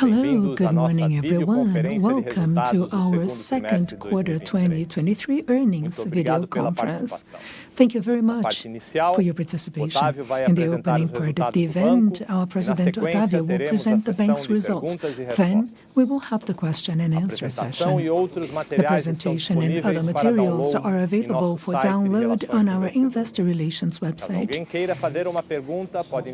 Hello, good morning, everyone. Welcome to our second quarter 2023 earnings video conference. Thank you very much for your participation. In the opening part of the event, our President, Octavio, will present the bank's results. We will have the question-and-answer session. The presentation and other materials are available for download on our Investor Relations website.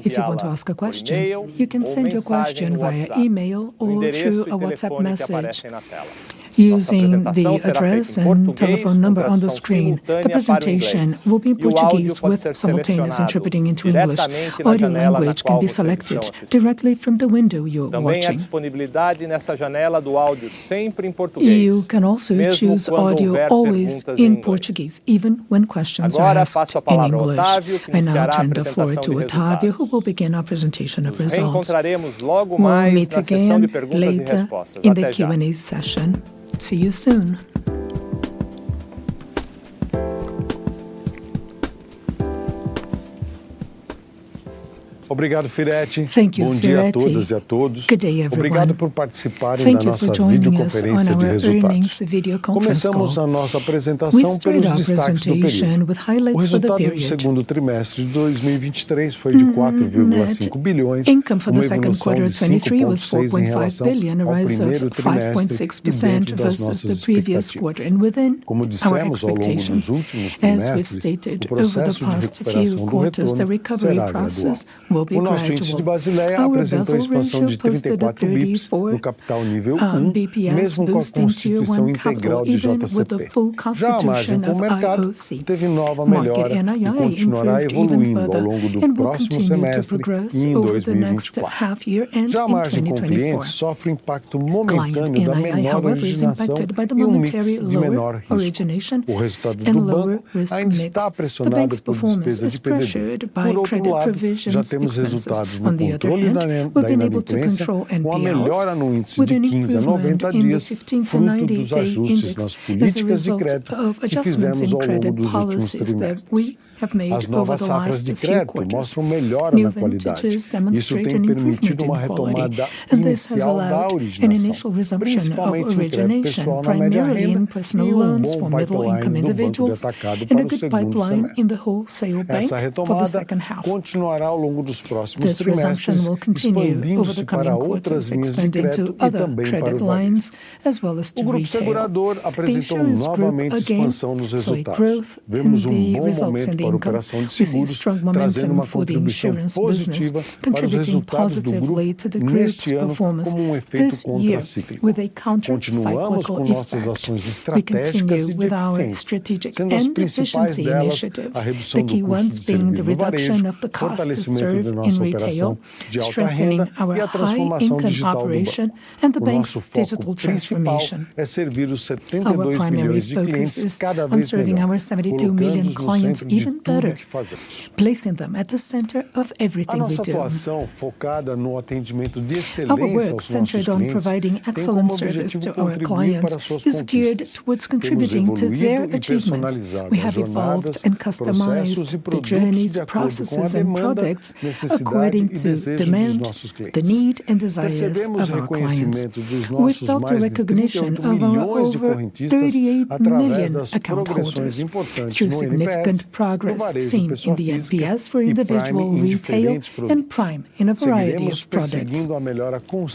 If you want to ask a question, you can send your question via email or through a WhatsApp message using the address and telephone number on the screen. The presentation will be in Portuguese, with simultaneous interpreting into English. Audio language can be selected directly from the window you're watching. You can also choose audio always in Portuguese, even when questions are asked in English. I now turn the floor to Octavio, who will begin our presentation of results. We'll meet again later in the Q&A session. See you soon. Thank you, Firetti. Good day, everyone. Thank you for joining us on our earnings video conference call. We'll start our presentation with highlights for the period. Net income for the second quarter of 2023 was 4.5 billion, a rise of 5.6% versus the previous quarter and within our expectations. As we've stated over the past few quarters, the recovery process will be gradual. Our Basel expansion posted a 34 bps boost into Tier 1 capital, even with the full constitution of IoC. Market NII improved even further and will continue to progress over the next half year and in 2024. Client NII, however, is impacted by the momentary lower origination and lower risk mix. The bank's performance is pressured by Credit Provisions Expenses. On the other hand, we've been able to control NPLs, with an improvement in the 15-90-day index as a result of adjustments in credit policies that we have made over the last few quarters. New vintages demonstrate an improvement in quality, and this has allowed an initial resumption of origination, primarily in personal loans for middle-income individuals, and a good pipeline in the wholesale bank for the second half. This resumption will continue over the coming quarters, expanding to other credit lines, as well as to retail. The Insurance Group, again, saw a growth in the results and income. We see a strong momentum for the insurance business, contributing positively to the group's performance this year with a countercyclical effect. We continue with our strategic and efficiency initiatives, the key ones being the reduction of the cost to serve in retail, strengthening our high income operation, and the bank's digital transformation. Our primary focus is on serving our 72 million clients even better, placing them at the center of everything we do. Our work, centered on providing excellent service to our clients, is geared towards contributing to their achievements. We have evolved and customized the journeys, processes, and products according to demand, the need, and desires of our clients. We felt the recognition of our over 38 million account holders through significant progress seen in the NPS for individual retail and Prime in a variety of products.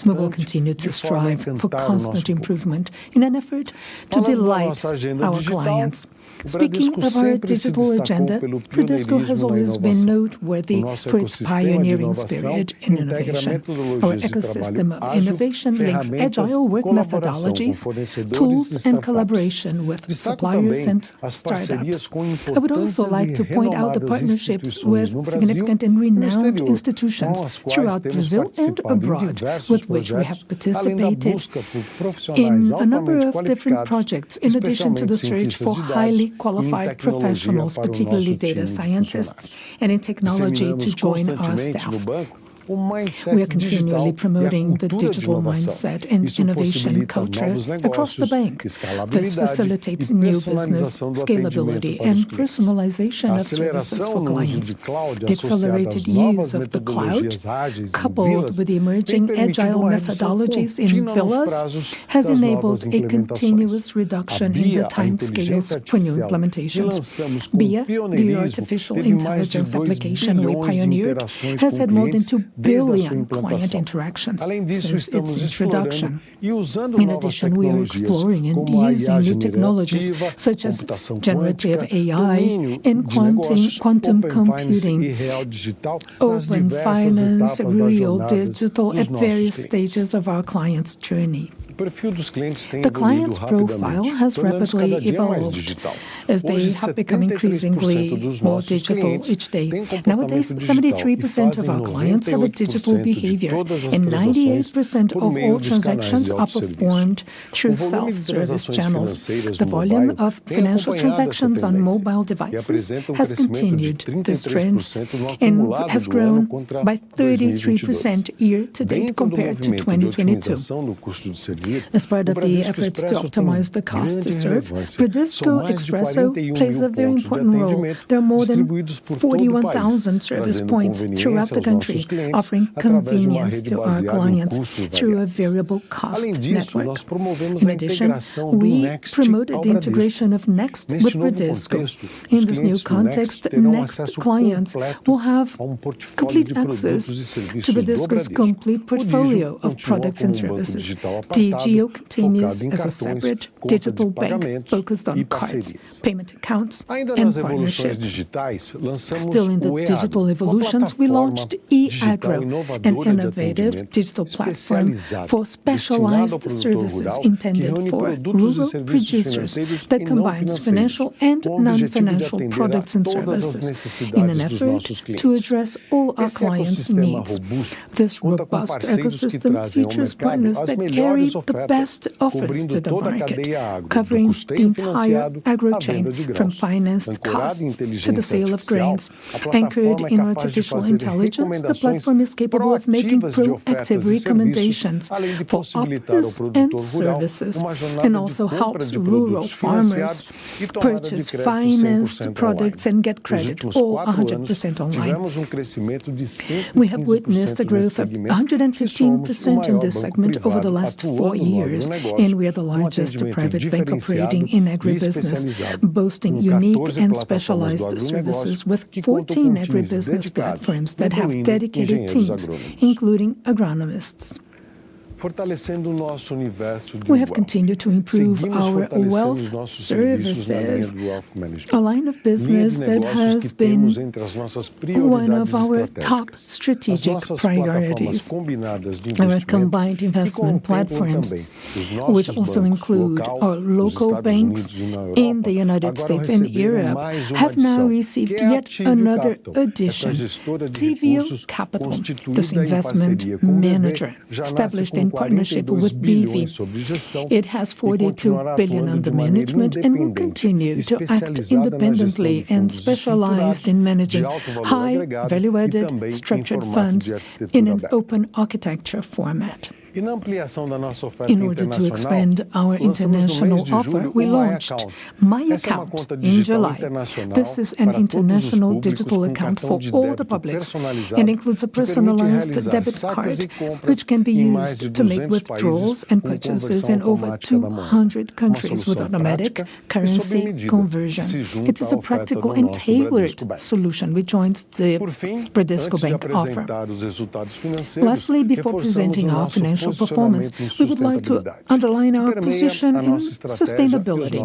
We will continue to strive for constant improvement in an effort to delight our clients. Speaking of our digital agenda, Bradesco has always been noteworthy for its pioneering spirit in innovation. Our ecosystem of innovation links agile methodologies, tools, and collaboration with suppliers and startups. I would also like to point out the partnerships with significant and renowned institutions throughout Brazil and abroad, with which we have participated in a number of different projects, in addition to the search for highly qualified professionals, particularly data scientists and in technology, to join our staff. We are continually promoting the digital mindset and innovation culture across the bank. This facilitates new business, scalability, and personalization of services for clients. The accelerated use of the cloud, coupled with emerging agile methodologies in villas, has enabled a continuous reduction in the timescales for new implementations. BIA, the artificial intelligence application we pioneered, has had more than 2 billion client interactions since its introduction. In addition, we are exploring and using new technologies such as Generative AI and quantum computing, Open Finance, Digital Real, at various stages of our clients' journey. The client profile has rapidly evolved as they have become increasingly more digital each day. Nowadays, 73% of our clients have a digital behavior, and 98% of all transactions are performed through self-service channels. The volume of financial transactions on mobile devices has continued this trend and has grown by 33% year-to-date compared to 2022. As part of the efforts to optimize the cost to serve, Bradesco Expresso plays a very important role. There are more than 41,000 service points throughout the country, offering convenience to our clients through a variable cost network. In addition, we promoted the integration of Next with Bradesco. In this new context, Next clients will have complete access to Bradesco's complete portfolio of products and services. Digio continues as a separate digital bank focused on cards, payment accounts, and partnerships. Still, in the digital evolutions, we launched e-agro, an innovative digital platform for specialized services intended for rural producers that combines financial and non-financial products and services in an effort to address all our clients' needs. This robust ecosystem features partners that carry the best offers to the market, covering the entire agro chain, from finance to costs to the sale of grains. Anchored in artificial intelligence, the platform is capable of making proactive recommendations for offers and services, and also helps rural farmers purchase financed products and get credit all 100% online. We have witnessed a growth of 115% in this segment over the last four years, and we are the largest private bank operating in agribusiness, boasting unique and specialized services with 14 agribusiness platforms that have dedicated teams, including agronomists. We have continued to improve our Wealth services, a line of business that has been one of our top strategic priorities. Our combined investment platforms, which also include our local banks in the United States and Europe, have now received yet another addition, Tivio Capital, this investment manager established in partnership with BV. It has 42 billion under management, and will continue to act independently and specialized in managing high value-added structured funds in an open architecture format. In order to expand our international offer, we launched My Account in July. This is an international digital account for all the publics, and includes a personalized debit card, which can be used to make withdrawals and purchases in over 200 countries with automatic currency conversion. It is a practical and tailored solution which joins the Bradesco Bank offer. Lastly, before presenting our financial performance, we would like to underline our position in sustainability,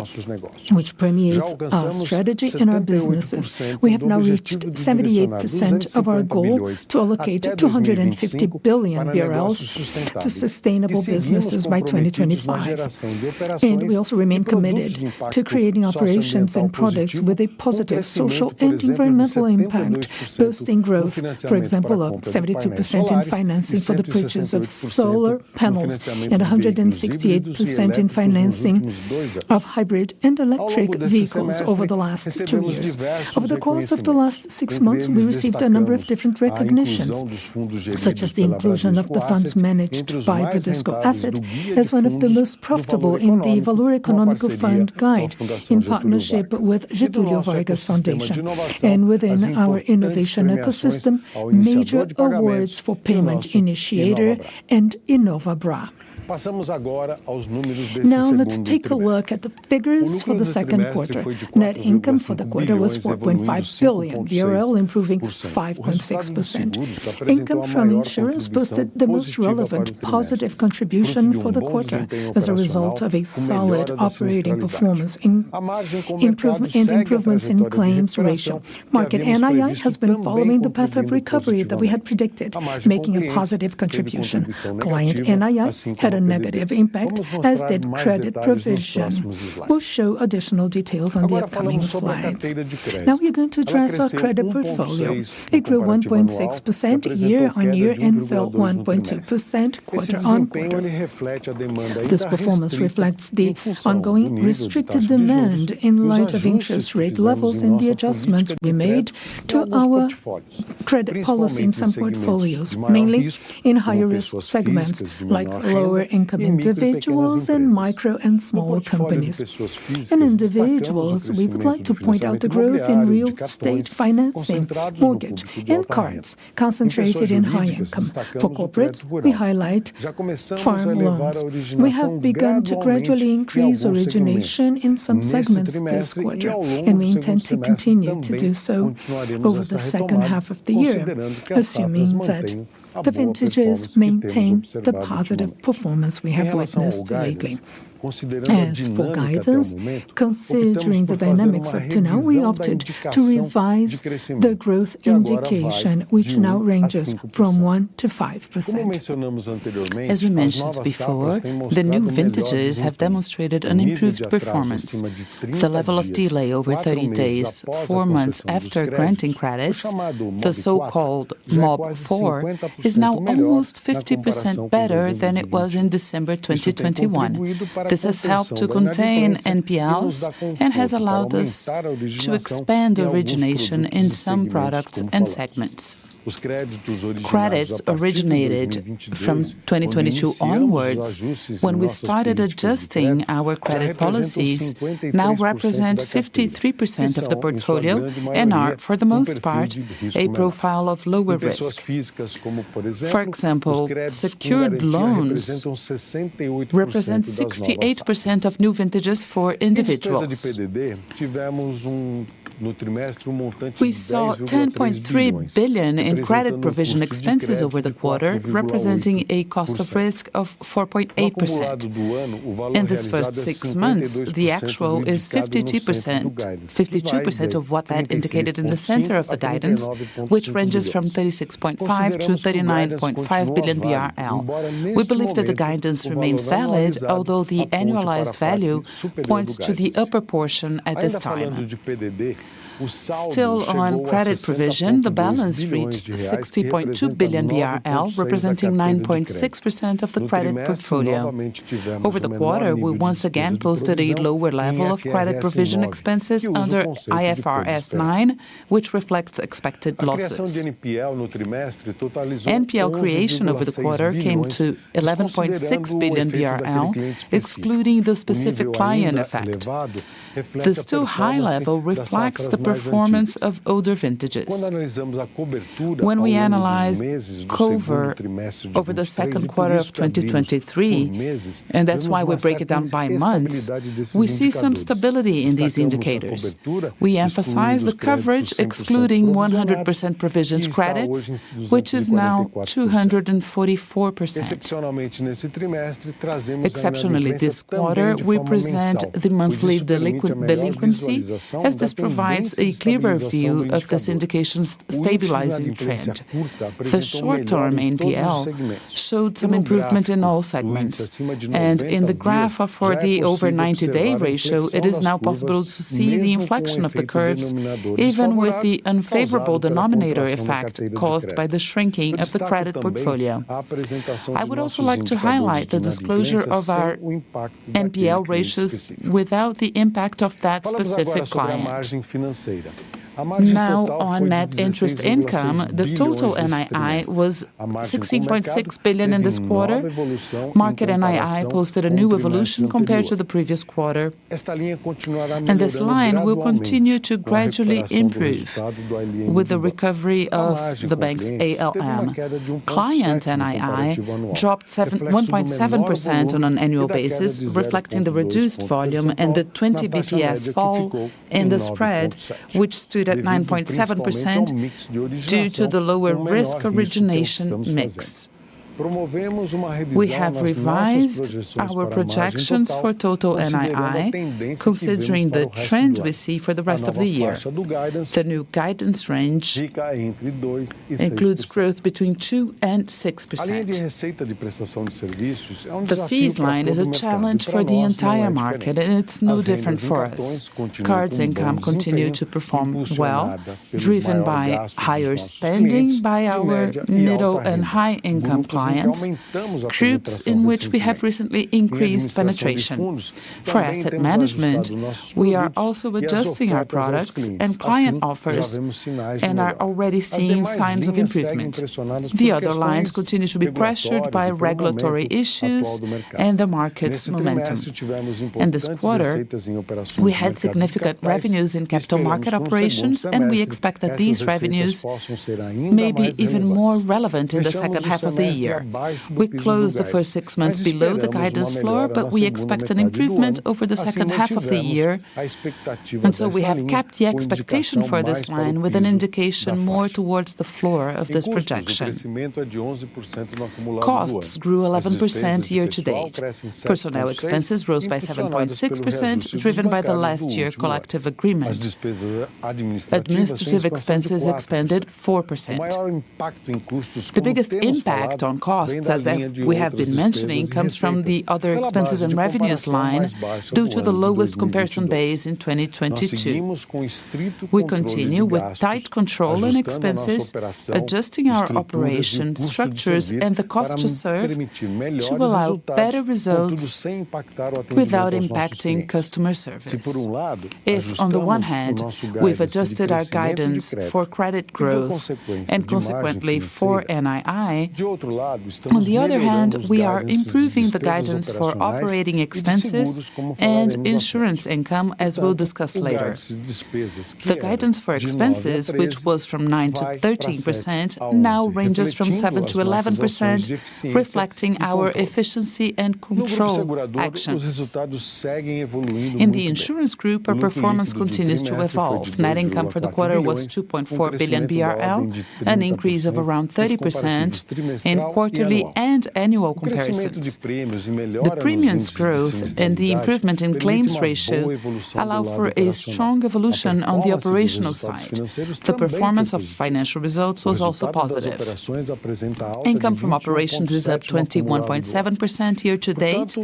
which permeates our strategy and our businesses. We have now reached 78% of our goal to allocate 250 billion BRL to sustainable businesses by 2025. We also remain committed to creating operations and products with a positive social and environmental impact, boosting growth, for example, of 72% in financing for the purchase of solar panels and 168% in financing of hybrid and electric vehicles over the last two years. Over the course of the last six months, we received a number of different recognitions, such as the inclusion of the funds managed by Bradesco Asset as one of the most profitable in the Valor Econômico Fund Guide, in partnership with Getúlio Vargas Foundation. Within our innovation ecosystem, major awards for payment initiator and inovabra. Now, let's take a look at the figures for the second quarter. Net income for the quarter was BRL 4.5 billion, improving 5.6%. Income from insurance boosted the most relevant positive contribution for the quarter as a result of a solid operating performance and improvements in claims ratio. Market NII has been following the path of recovery that we had predicted, making a positive contribution. Client NII had a negative impact, as did credit provision. We'll show additional details on the upcoming slides. Now, we're going to address our credit portfolio. It grew 1.6% year-over-year and fell 1.2% quarter-over-quarter. This performance reflects the ongoing restricted demand in light of interest rate levels and the adjustments we made to our credit policy in some portfolios, mainly in higher risk segments, like lower income individuals and micro and smaller companies. In individuals, we would like to point out the growth in real estate financing, mortgage, and cards concentrated in high income. For corporate, we highlight farm loans. We have begun to gradually increase origination in some segments this quarter, and we intend to continue to do so over the second half of the year, assuming that the vintages maintain the positive performance we have witnessed lately. As for guidance, considering the dynamics up to now, we opted to revise the growth indication, which now ranges from 1%-5%. As we mentioned before, the new vintages have demonstrated an improved performance. The level of delay over 30 days, four months after granting credits, the so-called mob4, is now almost 50% better than it was in December 2021. This has helped to contain NPLs and has allowed us to expand origination in some products and segments. Credits originated from 2022 onwards, when we started adjusting our credit policies, now represent 53% of the portfolio and are, for the most part, a profile of lower risk. For example, secured loans represent 68% of new vintages for individuals. We saw 10.3 billion in credit provision expenses over the quarter, representing a cost of risk of 4.8%. In this first six months, the actual is 52%, 52% of what I had indicated in the center of the guidance, which ranges from 36.5 billion- 39.5 billion BRL. We believe that the guidance remains valid, although the annualized value points to the upper portion at this time. Still, on credit provision, the balance reached 60.2 billion BRL, representing 9.6% of the credit portfolio. Over the quarter, we once again posted a lower level of credit provision expenses under IFRS 9, which reflects expected losses. NPL creation over the quarter came to 11.6 billion BRL, excluding the specific client effect. The still high level reflects the performance of older vintages. When we analyze cover over the second quarter of 2023, and that's why we break it down by months, we see some stability in these indicators. We emphasize the coverage, excluding 100% provision credits, which is now 244%. Exceptionally, this quarter, we present the monthly delinquent delinquency, as this provides a clearer view of this indication's stabilizing trend. The short-term NPL showed some improvement in all segments, and in the graph for the over 90-day ratio, it is now possible to see the inflection of the curves, even with the unfavorable denominator effect caused by the shrinking of the credit portfolio. I would also like to highlight the disclosure of our NPL ratios without the impact of that specific client. Now, on net interest income, the total NII was 16.6 billion in this quarter. Market NII posted a new evolution compared to the previous quarter, and this line will continue to gradually improve with the recovery of the bank's ALM. Client NII dropped 1.7% on an annual basis, reflecting the reduced volume and the 20 bps fall in the spread, which stood at 9.7%, due to the lower risk origination mix. We have revised our projections for total NII, considering the trend we see for the rest of the year. The new guidance range includes growth between 2% and 6%. The fees line is a challenge for the entire market, and it's no different for us. Cards income continue to perform well, driven by higher spending by our middle and high-income clients, groups in which we have recently increased penetration. For asset management, we are also adjusting our products and client offers, and are already seeing signs of improvement. The other lines continue to be pressured by regulatory issues and the market's momentum. In this quarter, we had significant revenues in capital market operations, and we expect that these revenues may be even more relevant in the second half of the year. We closed the first six months below the guidance floor, but we expect an improvement over the second half of the year. So we have kept the expectation for this line, with an indication more towards the floor of this projection. Costs grew 11% year-to-date. Personnel expenses rose by 7.6%, driven by the last year collective agreement. Administrative expenses expanded 4%. The biggest impact on costs, as I've-- we have been mentioning, comes from the other expenses and revenues line, due to the lowest comparison base in 2022. We continue with tight control on expenses, adjusting our operation structures and the cost to serve, to allow better results without impacting customer service. If, on the one hand, we've adjusted our guidance for credit growth, and consequently for NII, on the other hand, we are improving the guidance for operating expenses and insurance income, as we'll discuss later. The guidance for expenses, which was from 9%-13%, now ranges from 7%-11%, reflecting our efficiency and control actions. In the Insurance Group, our performance continues to evolve. Net income for the quarter was 2.4 billion BRL, an increase of around 30% in quarterly and annual comparisons. The premiums growth and the improvement in claims ratio allow for a strong evolution on the operational side. The performance of financial results was also positive. Income from operations is up 21.7% year-to-date,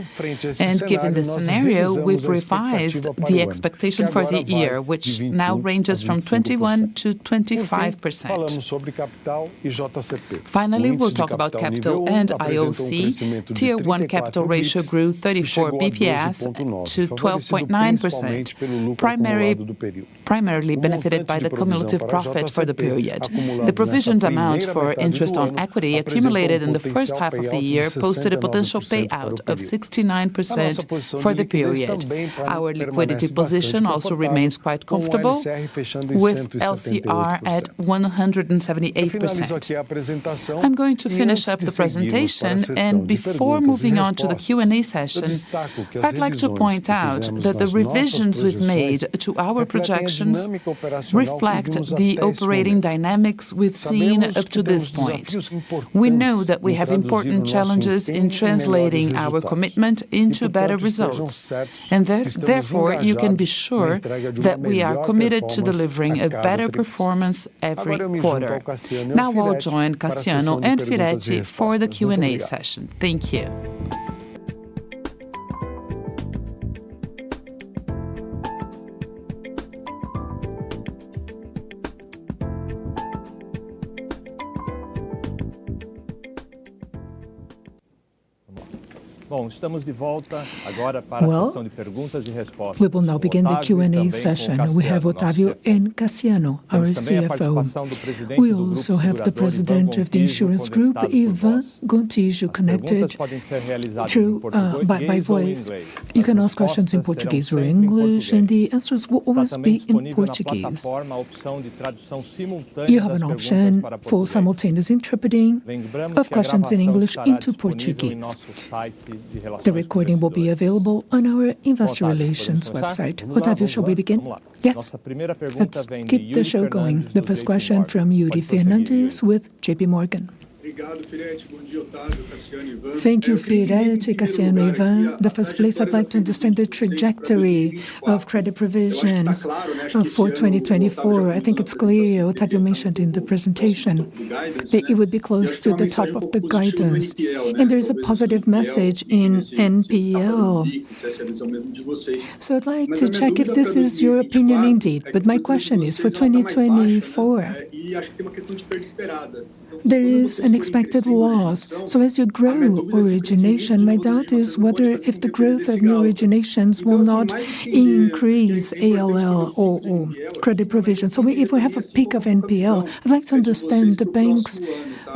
and given the scenario, we've revised the expectation for the year, which now ranges from 21%-25%. Finally, we'll talk about capital and IoC. Tier 1 capital ratio grew 34 bps to 12.9%, primarily benefited by the cumulative profit for the period. The provisions amounts for interest on equity accumulated in the first half of the year, posted a potential payout of 69% for the period. Our liquidity position also remains quite comfortable, with LCR at 178%. I'm going to finish up the presentation, before moving on to the Q&A session, I'd like to point out that the revisions we've made to our projections reflect the operating dynamics we've seen up to this point. We know that we have important challenges in translating our commitment into better results, therefore, you can be sure that we are committed to delivering a better performance every quarter. Now, I'll join Cassiano and Firetti for the Q&A session. Thank you. Well, we will now begin the Q&A session, and we have Octavio and Cassiano, our CFO. We also have the president of the Insurance Group, Ivan Gontijo, connected through by my voice. You can ask questions in Portuguese or English, and the answers will always be in Portuguese. You have an option for simultaneous interpreting of questions in English into Portuguese. The recording will be available on our Investor Relations website. Octavio, shall we begin? Yes. Let's keep the show going. The first question from Yuri Fernandes with JPMorgan. Thank you, Firetti, Cassiano, and Ivan. In the first place, I'd like to understand the trajectory of credit provisions for 2024. I think it's clear, Octavio mentioned in the presentation, that it would be close to the top of the guidance, and there is a positive message in NPL. I'd like to check if this is your opinion indeed, but my question is for 2024, there is an expected loss. As you grow origination, my doubt is whether if the growth of new originations will not increase ALL or credit provision. If we have a peak of NPL, I'd like to understand the bank's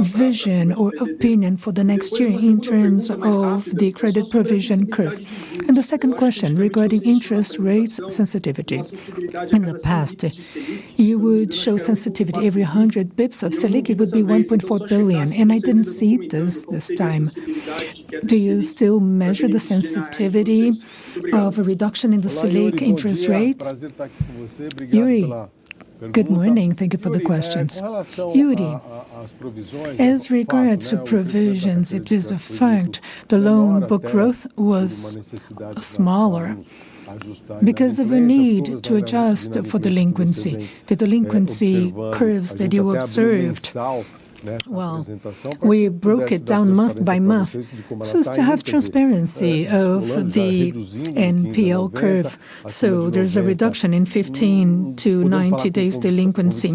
vision or opinion for the next year in terms of the credit provision curve. The second question regarding interest rates sensitivity. In the past, you would show sensitivity. Every 100 basis points of Selic, it would be 1.4 billion. I didn't see this this time. Do you still measure the sensitivity of a reduction in the Selic interest rates, Yuri? Good morning. Thank you for the questions. Yuri, as regards to provisions, it is a fact, the loan book growth was smaller because of a need to adjust for delinquency. The delinquency curves that you observed, well, we broke it down month by month, so as to have transparency of the NPL curve. There's a reduction in 15-90 days delinquency.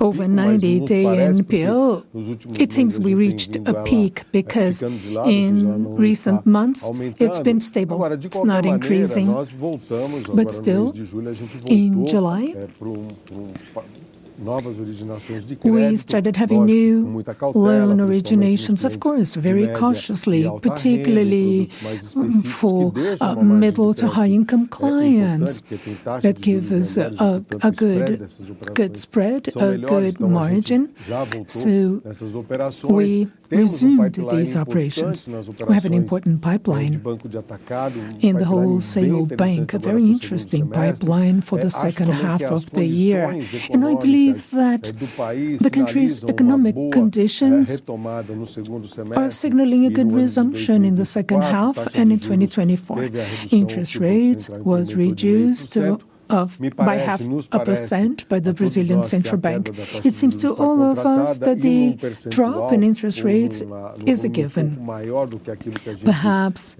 Over 90-day NPL, it seems we reached a peak, because in recent months it's been stable. It's not increasing. Still, in July, we started having new loan originations, of course, very cautiously, particularly for middle to high-income clients, that give us a good, good spread, a good margin. We resumed these operations. We have an important pipeline in the wholesale bank, a very interesting pipeline for the second half of the year. I believe that the country's economic conditions are signaling a good resumption in the second half and in 2024. Interest rates was reduced by 0.5% by the Brazilian Central Bank. It seems to all of us that the drop in interest rates is a given, perhaps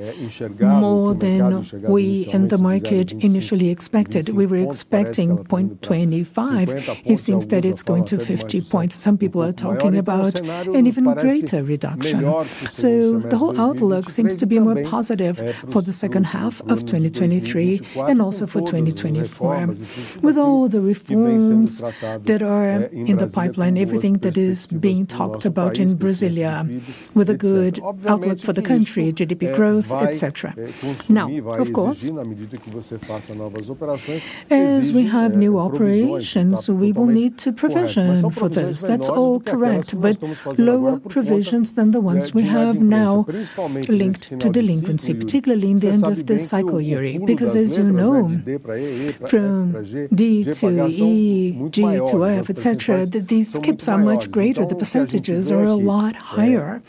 more than we in the market initially expected. We were expecting 0.25. It seems that it's going to 0.50 points. Some people are talking about an even greater reduction. The whole outlook seems to be more positive for the second half of 2023, and also for 2024, with all the reforms that are in the pipeline, everything that is being talked about in Brasília, with a good outlook for the country, GDP growth, et cetera. Now, of course, as we have new operations, we will need to provision for this. That's all correct, but lower provisions than the ones we have now, linked to delinquency, particularly in the end of this cycle, Yuri. Because, as you know, from D to E, G to F, et cetera, the, these skips are much greater, the percentages are a lot higher.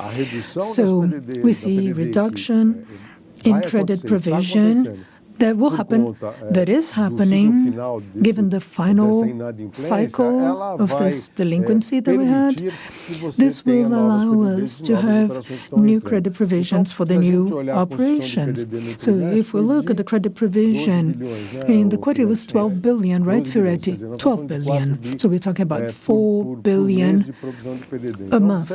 We see reduction in credit provision. That will happen. That is happening, given the final cycle of this delinquency that we had. This will allow us to have new credit provisions for the new operations. If we look at the credit provision in the quarter, it was 12 billion, right, Firetti? 12 billion. We're talking about 4 billion a month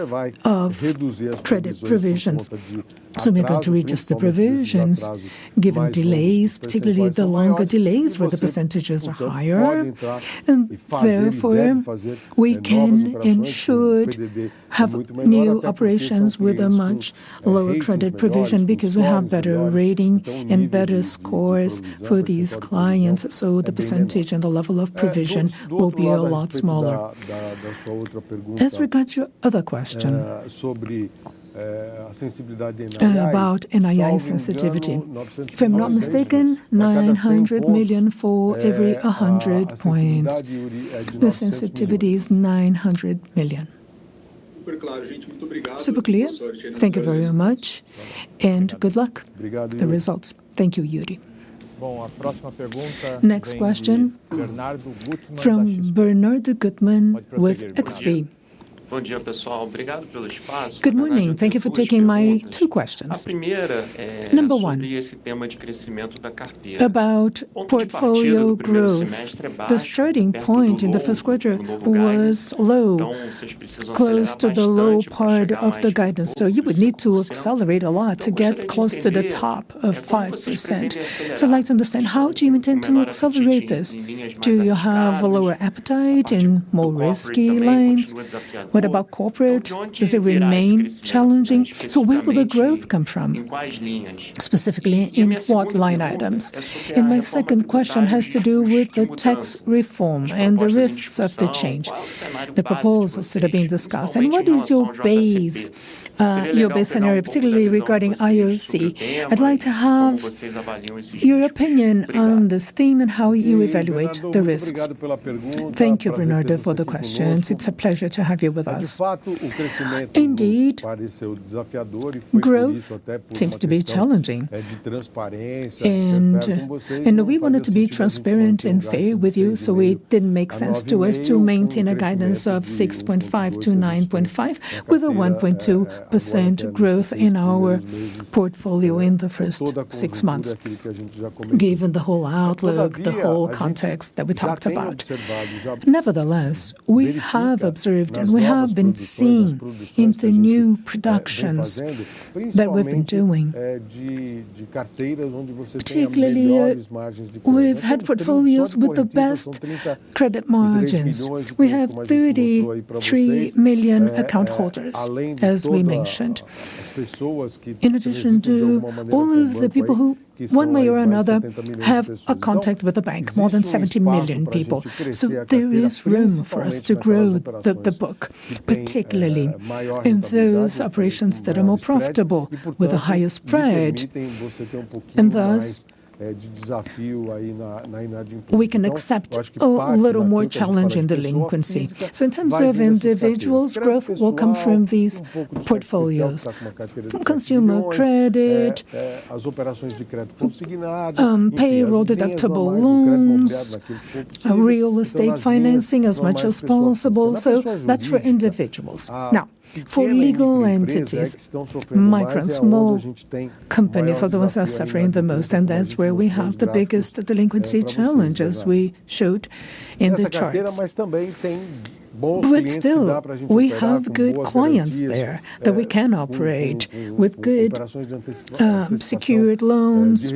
of credit provisions. We're going to adjust the provisions, given delays, particularly the longer delays, where the percentages are higher, and therefore, we can and should have new operations with a much lower credit provision, because we have better rating and better scores for these clients, so the percentage and the level of provision will be a lot smaller. As regards to your other question, about NII sensitivity. If I'm not mistaken, 900 million for every 100 points. The sensitivity is 900 million. Super clear. Thank you very much, and good luck with the results. Thank you, Yuri. Next question, from Bernardo Gutmann with XP. Good morning. Thank you for taking my two questions. Number one, about portfolio growth. The starting point in the first quarter was low, close to the low part of the guidance, you would need to accelerate a lot to get close to the top of 5%. I'd like to understand, how do you intend to accelerate this? Do you have a lower appetite in more risky lines? What about corporate? Does it remain challenging? Where will the growth come from, specifically, in what line items? My second question has to do with the tax reform and the risks of the change, the proposals that are being discussed. What is your base, your base scenario, particularly regarding IoC? I'd like to have your opinion on this theme and how you evaluate the risks. Thank you, Bernardo, for the questions. It's a pleasure to have you with us. Indeed, growth seems to be challenging, and we wanted to be transparent and fair with you, so it didn't make sense to us to maintain a guidance of 6.5%-9.5%, with a 1.2% growth in our portfolio in the first six months, given the whole outlook, the whole context that we talked about. Nevertheless, we have observed, and we have been seeing in the new productions that we've been doing, particularly, we've had portfolios with the best credit margins. We have 33 million account holders, as we mentioned. In addition to all of the people who, one way or another, have a contact with the bank, more than 70 million people. There is room for us to grow the book, particularly in those operations that are more profitable, with a higher spread, and thus. We can accept a little more challenge in delinquency. In terms of individuals, growth will come from these portfolios. From consumer credit, payroll-deductible loans, real estate financing, as much as possible. That's for individuals. For legal entities, migrants, small companies are those that are suffering the most, that's where we have the biggest delinquency challenges we showed in the charts. Still, we have good clients there that we can operate with good secured loans,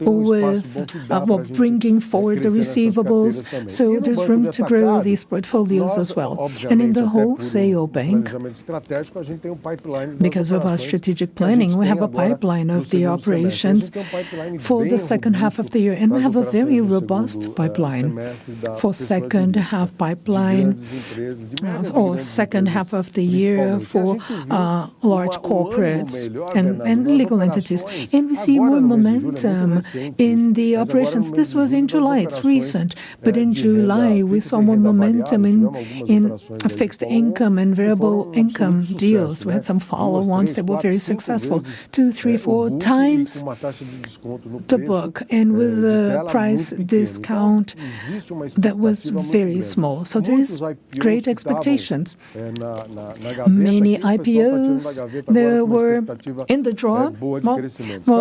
with bringing forward the receivables, there's room to grow these portfolios as well. In the wholesale bank, because of our strategic planning, we have a pipeline of the operations for the second half of the year, we have a very robust pipeline for second half pipeline, or second half of the year for large corporates and legal entities. We see more momentum in the operations. This was in July, it's recent, but in July, we saw more momentum in fixed income and variable income deals. We had some follow-ons that were very successful, 2x, 3x, 4x the book, and with a price discount that was very small. There's great expectations. Many IPOs, they were in the draw.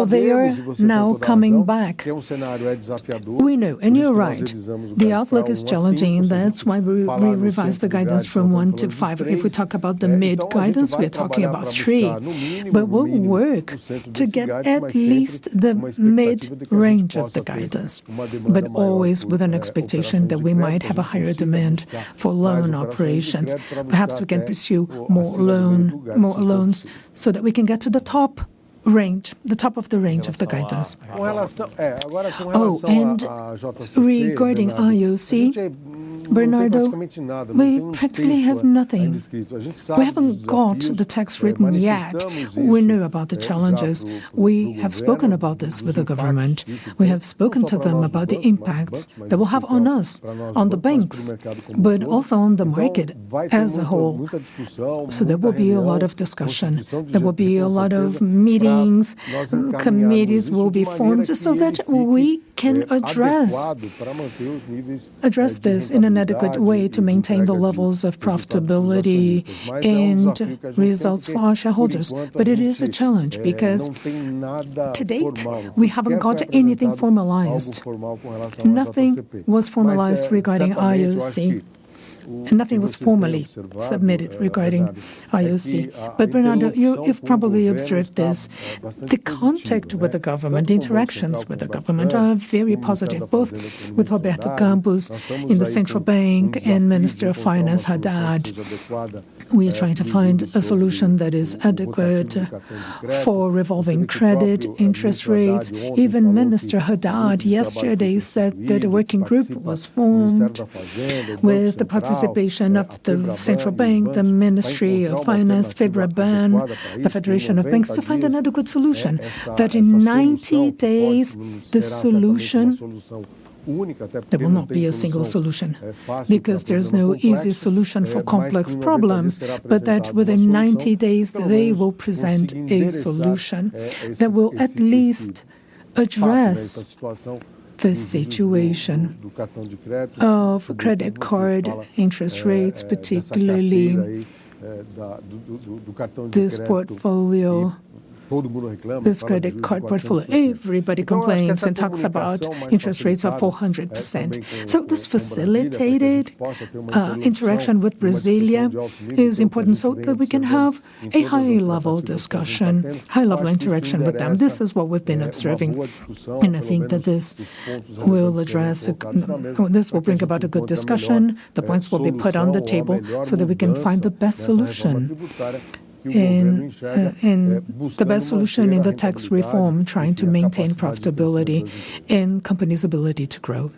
They are now coming back. We know, and you're right, the outlook is challenging, that's why we revised the guidance from 1-5. If we talk about the mid-guidance, we are talking about 3. We'll work to get at least the mid-range of the guidance, but always with an expectation that we might have a higher demand for loan operations. Perhaps we can pursue more loans, so that we can get to the top range, the top of the range of the guidance. Regarding IoC, Bernardo, we practically have nothing. We haven't got the tax written yet. We know about the challenges. We have spoken about this with the government. We have spoken to them about the impacts they will have on us, on the banks, but also on the market as a whole. There will be a lot of discussion. There will be a lot of meetings, committees will be formed, so that we can address this in an adequate way to maintain the levels of profitability and results for our shareholders. It is a challenge, because to date, we haven't got anything formalized. Nothing was formalized regarding IoC, nothing was formally submitted regarding IoC. Bernardo, you've probably observed this, the contact with the government, the interactions with the government, are very positive, both with Roberto Campos in the Central Bank and Minister of Finance, Haddad. We are trying to find a solution that is adequate for revolving credit, interest rates. Even Minister Haddad, yesterday, said that a working group was formed with the participation of the Central Bank, the Ministry of Finance, Febraban, the Federation of Banks, to find an adequate solution, that in 90 days, the solution. There will not be a single solution, because there's no easy solution for complex problems, but that within 90 days, they will present a solution that will at least address the situation of credit card interest rates, particularly, this portfolio, this credit card portfolio. Everybody complains and talks about interest rates of 400%. This facilitated interaction with Brasília is important, so that we can have a high-level discussion, high-level interaction with them. This is what we've been observing. I think that this will bring about a good discussion. The points will be put on the table so that we can find the best solution in the tax reform, trying to maintain profitability and company's ability to grow.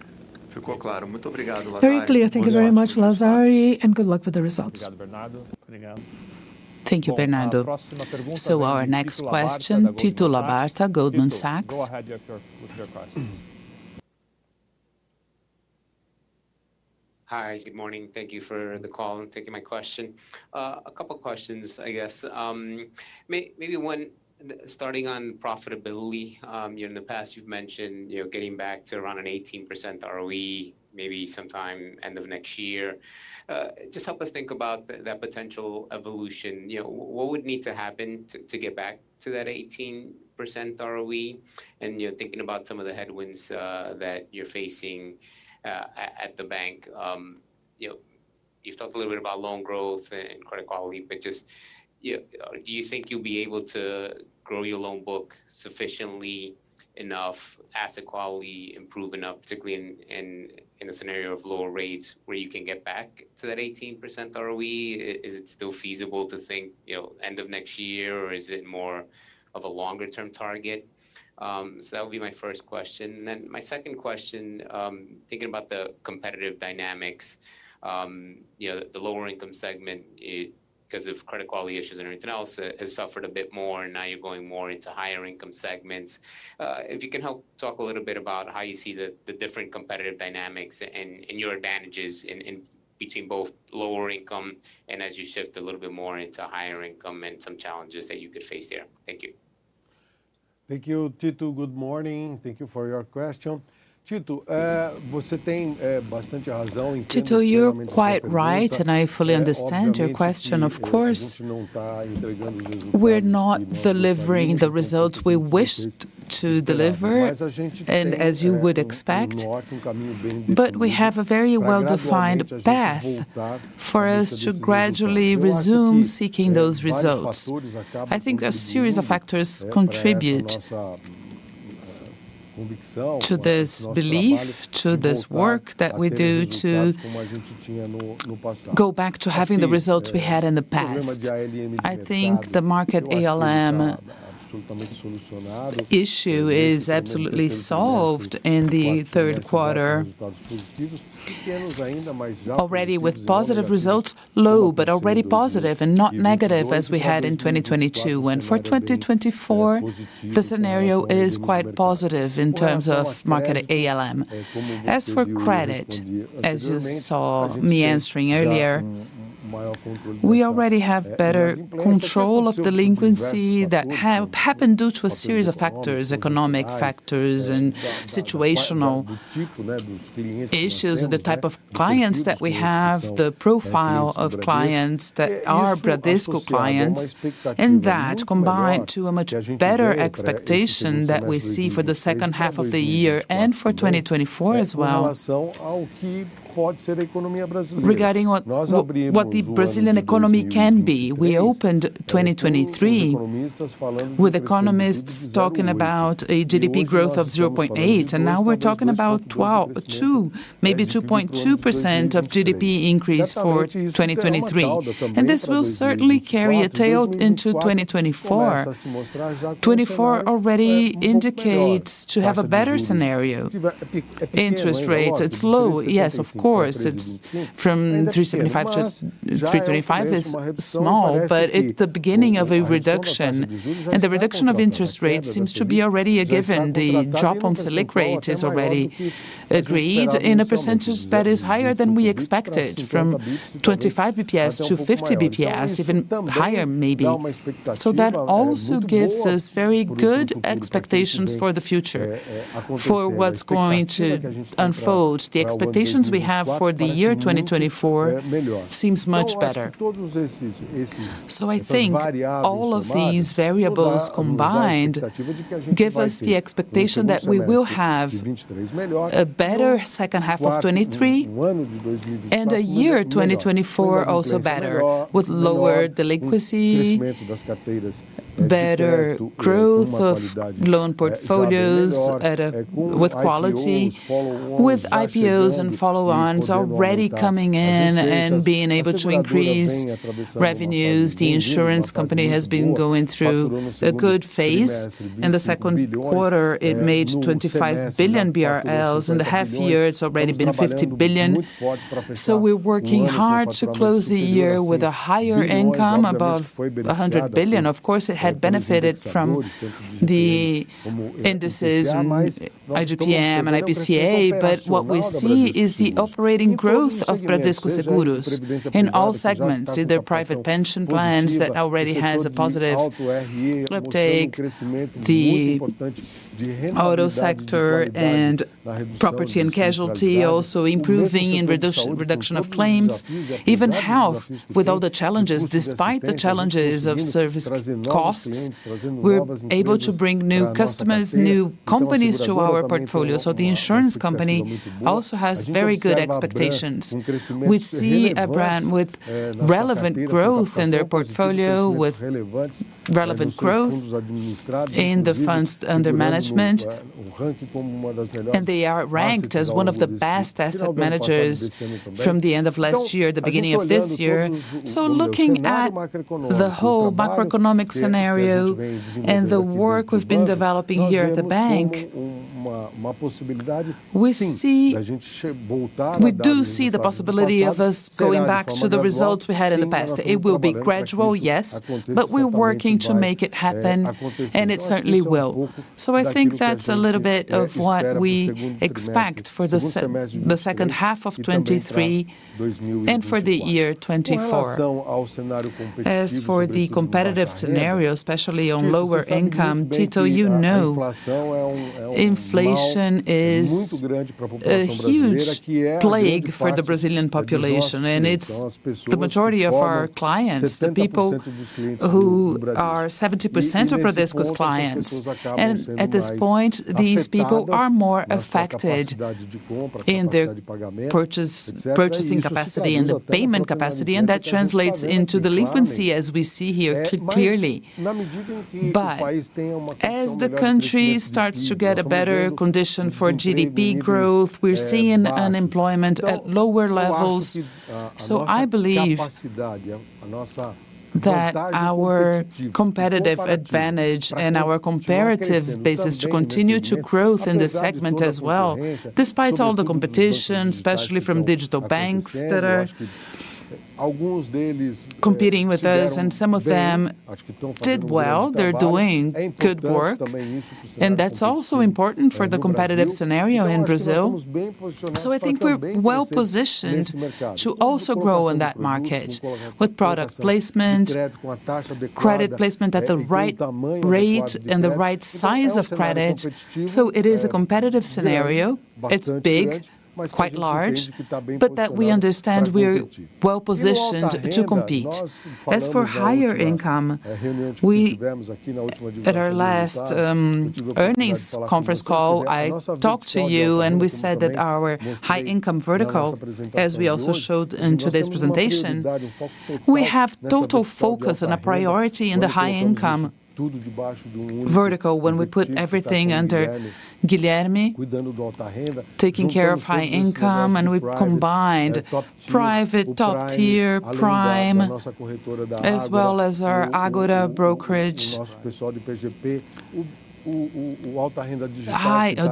Very clear. Thank you very much, Lazari, and good luck with the results. Thank you, Bernardo. Our next question, Tito Labarta, Goldman Sachs. Go ahead with your question. Hi, good morning. Thank you for the call and taking my question. A couple questions, I guess. Maybe one, starting on profitability. You know, in the past you've mentioned, you know, getting back to around an 18% ROE, maybe sometime end of next year. Just help us think about the, that potential evolution. You know, what would need to happen to, to get back to that 18% ROE? You know, thinking about some of the headwinds, that you're facing, at the bank... You know, you've talked a little bit about loan growth and credit quality, but just, you know, do you think you'll be able to grow your loan book sufficiently enough, asset quality improve enough, particularly in, in, in a scenario of lower rates, where you can get back to that 18% ROE? Is it still feasible to think, you know, end of next year, or is it more of a longer-term target? That would be my first question. My second question, thinking about the competitive dynamics, you know, the lower income segment, because of credit quality issues and everything else, has suffered a bit more, and now you're going more into higher income segments. If you can help talk a little bit about how you see the, the different competitive dynamics and, and your advantages in, in between both lower income, and as you shift a little bit more into higher income, and some challenges that you could face there. Thank you. Thank you, Tito. Good morning. Thank you for your question. Tito, Tito, you're quite right, and I fully understand your question, of course. We're not delivering the results we wished to deliver, and as you would expect, but we have a very well-defined path for us to gradually resume seeking those results. I think a series of factors contribute to this belief, to this work that we do, to go back to having the results we had in the past. I think the market ALM issue is absolutely solved in the third quarter, already with positive results, low, but already positive, and not negative as we had in 2022. For 2024, the scenario is quite positive in terms of market ALM. As for credit, as you saw me answering earlier, we already have better control of delinquency that happened due to a series of factors, economic factors and situational issues, and the type of clients that we have, the profile of clients that are Bradesco clients. That, combined to a much better expectation that we see for the second half of the year and for 2024 as well. Regarding what the Brazilian economy can be, we opened 2023 with economists talking about a GDP growth of 0.8, Now we're talking about 2, maybe 2.2% of GDP increase for 2023. This will certainly carry a tail into 2024. 2024 already indicates to have a better scenario. Interest rates, it's low. Yes, of course, it's from 375 to 325 is small, but it's the beginning of a reduction, and the reduction of interest rates seems to be already a given. The drop on Selic rate is already agreed in a percentage that is higher than we expected, from 25 basis points to 50 basis points, even higher maybe. That also gives us very good expectations for the future, for what's going to unfold. The expectations we have for the year 2024 seems much better. I think all of these variables combined give us the expectation that we will have a better second half of 2023, and a year 2024, also better, with lower delinquency, better growth of loan portfolios at a... with quality, with IPOs and follow-ons already coming in and being able to increase revenues. The Insurance Group has been going through a good phase. In the second quarter, it made 25 billion BRL. In the half year, it's already been 50 billion. We're working hard to close the year with a higher income, above 100 billion. Of course, it had benefited from the indices, IGP-M and IPCA, but what we see is the operating growth of Bradesco Seguros in all segments, in their private pension plans, that already has a positive uptake. The auto sector and property and casualty also improving in reduction of claims. Even health, with all the challenges, despite the challenges of service costs, we're able to bring new customers, new companies to our portfolio. The Insurance company also has very good expectations. We see a brand with relevant growth in their portfolio, with relevant growth in the funds under management. They are ranked as one of the best asset managers from the end of last year, the beginning of this year. Looking at the whole macroeconomic scenario and the work we've been developing here at the bank, we do see the possibility of us going back to the results we had in the past. It will be gradual, yes, but we're working to make it happen, and it certainly will. I think that's a little bit of what we expect for the second half of 2023 and for the year 2024. As for the competitive scenario, especially on lower income, Tito, you know, inflation is a huge plague for the Brazilian population. It's the majority of our clients, the people who are 70% of Bradesco's clients. At this point, these people are more affected in their purchase, purchasing capacity and the payment capacity, and that translates into delinquency, as we see here clearly. As the country starts to get a better condition for GDP growth, we're seeing unemployment at lower levels. I believe that our competitive advantage and our comparative basis to continue to growth in this segment as well, despite all the competition, especially from digital banks that are competing with us. Some of them did well. They're doing good work. That's also important for the competitive scenario in Brazil. I think we're well-positioned to also grow in that market with product placement, credit placement at the right rate and the right size of credit. It is a competitive scenario. It's big, quite large, but that we understand we're well-positioned to compete. As for higher income, we, at our last earnings conference call, I talked to you, and we said that our high-income vertical, as we also showed in today's presentation, we have total focus and a priority in the high-income vertical when we put everything under Guilherme, taking care of high income, and we've combined private, top-tier, prime, as well as our Agora brokerage.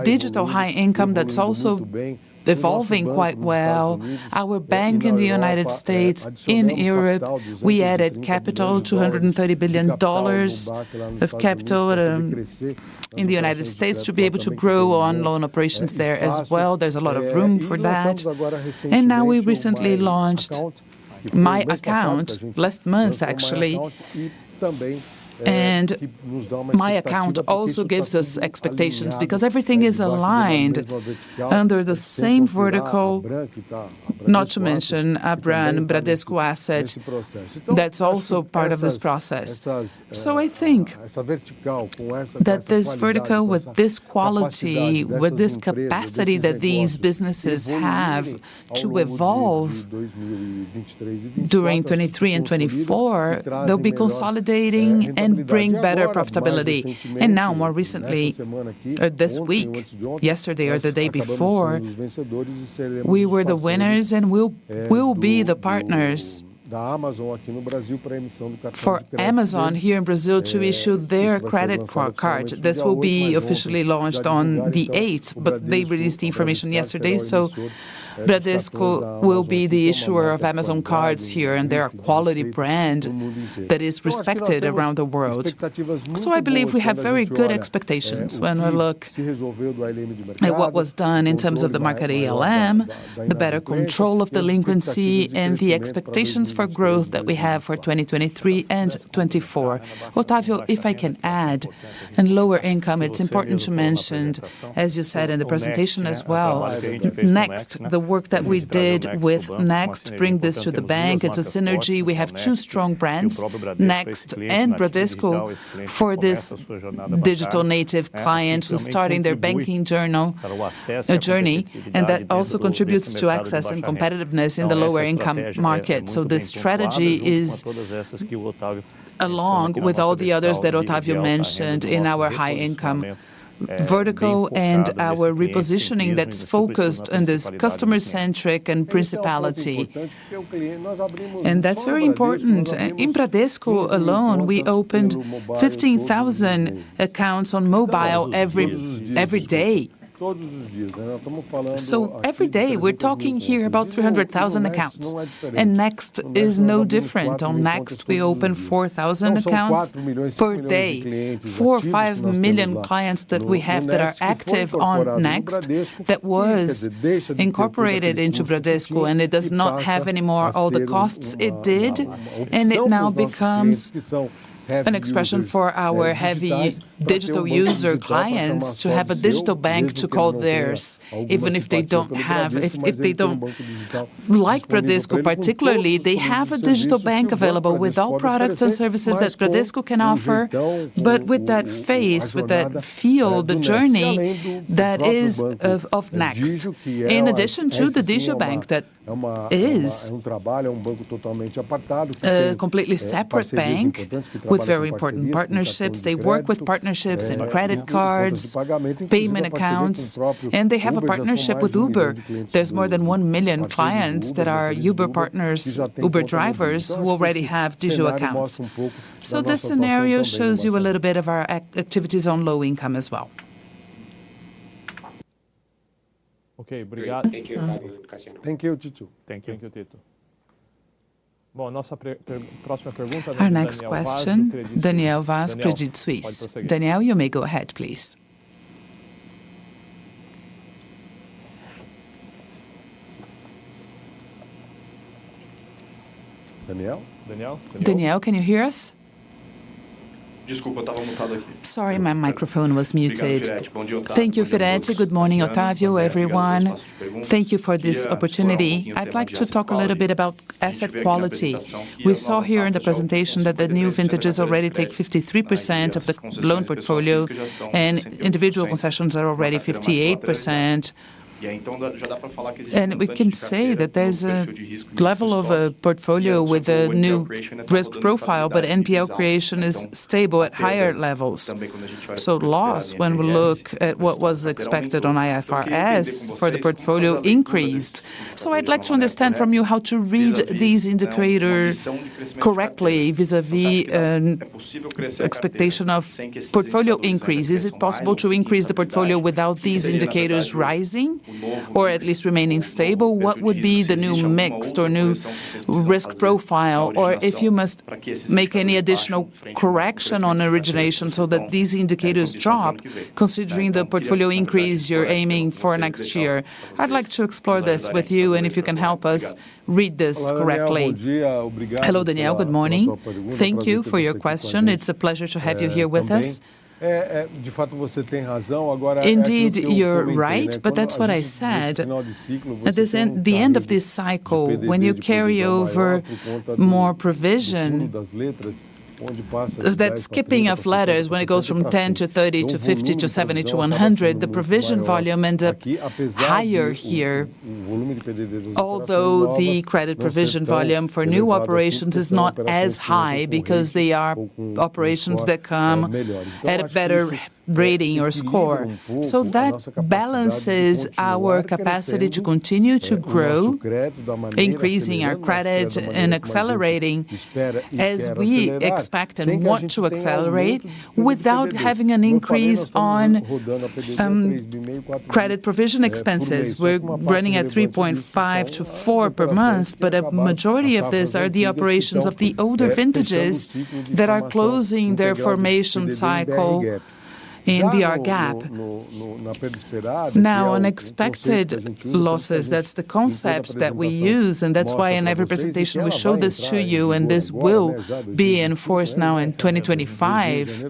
Digital high income, that's also evolving quite well. Our bank in the United States, in Europe, we added capital, $230 billion of capital in the United States, to be able to grow on loan operations there as well. There's a lot of room for that. Now, we recently launched My Account last month, actually. My Account also gives us expectations, because everything is aligned under the same vertical, not to mention a brand, Bradesco Asset, that's also part of this process. I think that this vertical, with this quality, with this capacity that these businesses have to evolve during 2023 and 2024, they'll be consolidating and bring better profitability. Now, more recently, this week, yesterday or the day before, we were the winners, and we'll, we'll be the partners for Amazon here in Brazil to issue their credit for card. This will be officially launched on the eighth, but they released the information yesterday. Bradesco will be the issuer of Amazon cards here, and they're a quality brand that is respected around the world. I believe we have very good expectations when we look at what was done in terms of the market ALM, the better control of delinquency, and the expectations for growth that we have for 2023 and 2024. Octavio, if I can add, in lower income, it's important to mention, as you said in the presentation as well, Next, the work that we did with Next, bring this to the bank. It's a synergy. We have two strong brands, Next and Bradesco, for this digital native client who's starting their banking journey, and that also contributes to access and competitiveness in the lower-income market. The strategy is, along with all the others that Octavio mentioned in our high-income vertical and our repositioning, that's focused on this customer-centric and principality. That's very important. In Bradesco alone, we opened 15,000 accounts on mobile every, every day. Every day, we're talking here about 300,000 accounts, and Next is no different. On Next, we open 4,000 accounts per day. 4 or 5 million clients that we have that are active on Next, that was incorporated into Bradesco, and it does not have any more all the costs it did, and it now becomes an expression for our heavy digital user clients to have a digital bank to call theirs, even if they don't have if, if they don't like Bradesco particularly, they have a digital bank available with all products and services that Bradesco can offer. With that face, with that feel, the journey, that is of, of Next. In addition to the digital bank, that is a completely separate bank with very important partnerships. They work with partnerships in credit cards, payment accounts, and they have a partnership with Uber. There's more than 1 million clients that are Uber partners, Uber drivers, who already have digital accounts. This scenario shows you a little bit of our activities on low income as well. Okay, thank you. Thank you, Tito. Thank you. Thank you, Tito. Our next question, Daniel Vaz, Credit Suisse. Daniel, you may go ahead, please. Daniel, Daniel, Daniel? Daniel, can you hear us? Sorry, my microphone was muted. Thank you, Firetti. Good morning, Octavio, everyone. Thank you for this opportunity. I'd like to talk a little bit about asset quality. We saw here in the presentation that the new vintages already take 53% of the loan portfolio, individual concessions are already 58%. We can say that there's a level of a portfolio with a new risk profile, but NPL creation is stable at higher levels. Loss, when we look at what was expected on IFRS for the portfolio, increased. I'd like to understand from you how to read these indicators correctly vis-a-vis an expectation of portfolio increase. Is it possible to increase the portfolio without these indicators rising, or at least remaining stable? What would be the new mixed or new risk profile? If you must make any additional correction on origination so that these indicators drop, considering the portfolio increase you're aiming for next year. I'd like to explore this with you, and if you can help us read this correctly. Hello, Daniel. Good morning. Thank you for your question. It's a pleasure to have you here with us. Indeed, you're right, but that's what I said. At this end... the end of this cycle, when you carry over more provision, that skipping of letters, when it goes from 10 to 30, to 50, to 70, to 100, the provision volume end up higher here. Although the credit provision volume for new operations is not as high, because they are operations that come at a better rating or score. That balances our capacity to continue to grow, increasing our credit and accelerating as we expect and want to accelerate, without having an increase on credit provision expenses. We're running at 3.5-4 per month, but a majority of these are the operations of the older vintages that are closing their formation cycle in BR GAAP. Now, unexpected losses, that's the concept that we use, and that's why in every presentation we show this to you, and this will be in force now in 2025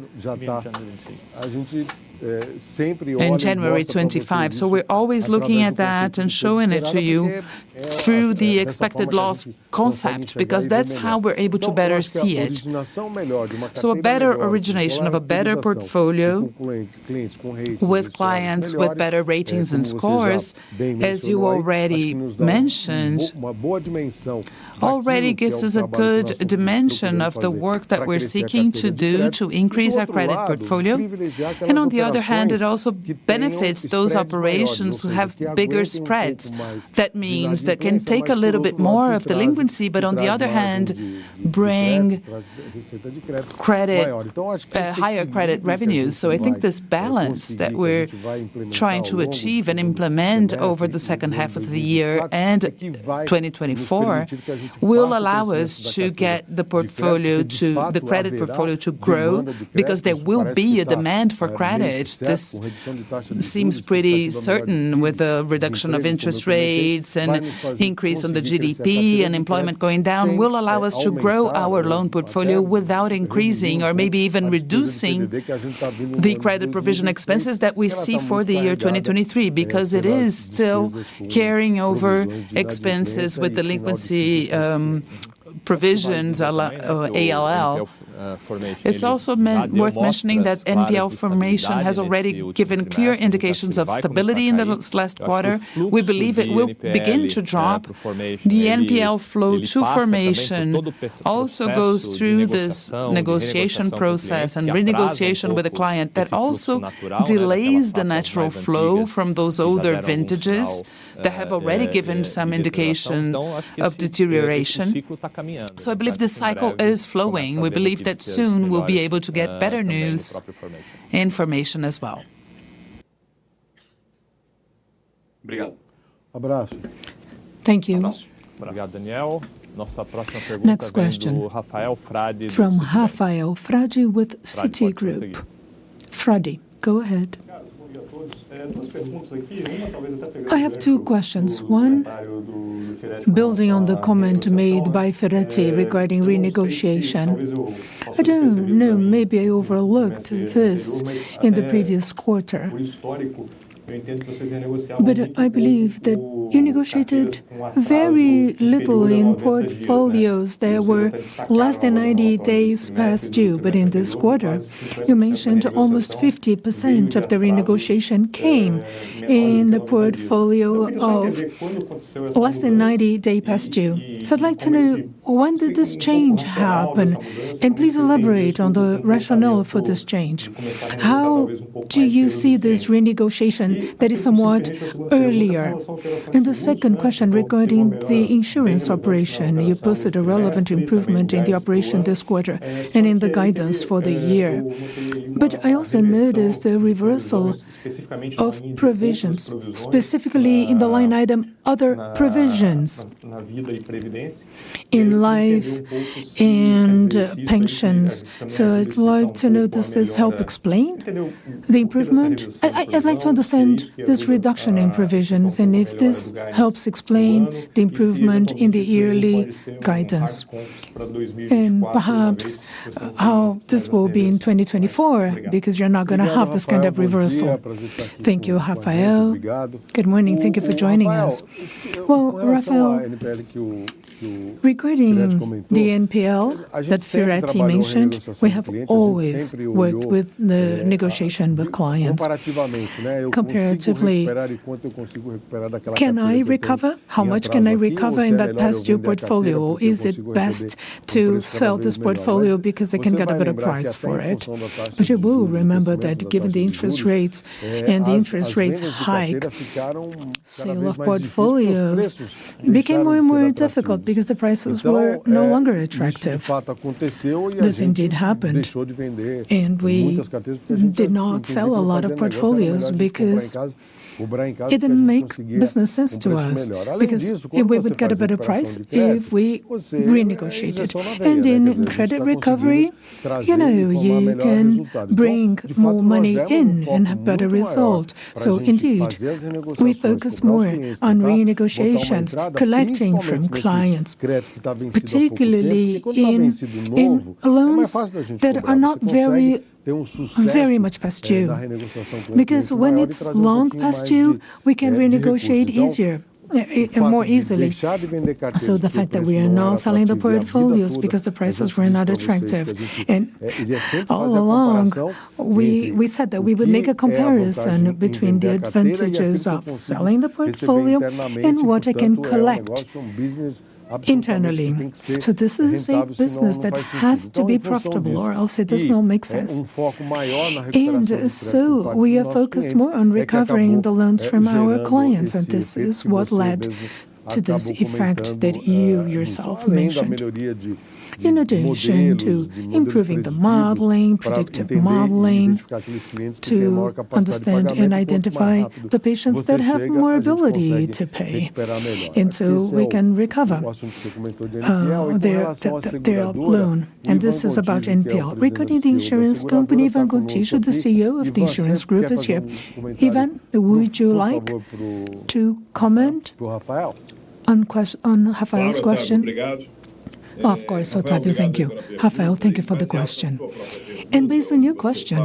in January 2025. We're always looking at that and showing it to you through the expected loss concept, because that's how we're able to better see it. A better origination of a better portfolio with clients with better ratings and scores, as you already mentioned, already gives us a good dimension of the work that we're seeking to do to increase our credit portfolio. On the other hand, it also benefits those operations who have bigger spreads. That means they can take a little bit more of delinquency, but on the other hand, bring credit, higher credit revenues. I think this balance that we're trying to achieve and implement over the second half of the year and 2024, will allow us to get the portfolio to... the credit portfolio to grow, because there will be a demand for credit. This seems pretty certain with a reduction of interest rates and increase on the GDP and employment going down, will allow us to grow our loan portfolio without increasing or maybe even reducing the credit provision expenses that we see for the year 2023, because it is still carrying over expenses with delinquency, provisions of ALL. It's also worth mentioning that NPL formation has already given clear indications of stability in the last quarter. We believe it will begin to drop. The NPL flow to formation also goes through this negotiation process and renegotiation with the client that also delays the natural flow from those older vintages, that have already given some indication of deterioration. I believe this cycle is flowing. We believe that soon we'll be able to get better news and information as well. Thank you. Thank you Daniel. Next question from Rafael Frade with Citigroup. Frade, go ahead.... I have two questions. One, building on the comment made by Firetti regarding renegotiation. I don't know, maybe I overlooked this in the previous quarter, but I believe that you negotiated very little in portfolios that were less than 90 days past due. In this quarter, you mentioned almost 50% of the renegotiation came in the portfolio of less than 90 day past due. I'd like to know, when did this change happen? Please elaborate on the rationale for this change. How do you see this renegotiation that is somewhat earlier? The second question regarding the insurance operation, you posted a relevant improvement in the operation this quarter and in the guidance for the year. I also noticed a reversal of provisions, specifically in the line item, other provisions in life and pensions. I'd like to know, does this help explain the improvement? I'd like to understand this reduction in provisions and if this helps explain the improvement in the yearly guidance, and perhaps, how this will be in 2024, because you're not gonna have this kind of reversal. Thank you, Rafael. Good morning. Thank you for joining us. Well, Rafael, regarding the NPL that Firetti mentioned, we have always worked with the negotiation with clients. Comparatively, can I recover? How much can I recover in that past due portfolio? Is it best to sell this portfolio because I can get a better price for it? You will remember that given the interest rates and the interest rates hike, sale of portfolios became more and more difficult because the prices were no longer attractive. This indeed happened, and we did not sell a lot of portfolios because it didn't make business sense to us. If we would get a better price, if we renegotiated. In credit recovery, you know, you can bring more money in and have better result. Indeed, we focus more on renegotiations, collecting from clients, particularly in, in loans that are not very, very much past due. When it's long past due, we can renegotiate easier, and more easily. The fact that we are now selling the portfolios because the prices were not attractive, and all along, we, we said that we would make a comparison between the advantages of selling the portfolio and what I can collect from business internally. This is a business that has to be profitable or else it does not make sense. We are focused more on recovering the loans from our clients, and this is what led to this effect that you yourself mentioned. In addition to improving the modeling, predictive modeling, to understand and identify the patients that have more ability to pay, and so we can recover, their, their, their loan. This is about NPL. Regarding the Insurance company, Ivan Gontijo, the CEO of the Insurance Group, is here. Ivan, would you like to comment on Rafael's question? Of course, Octavio, thank you. Rafael, thank you for the question. Based on your question,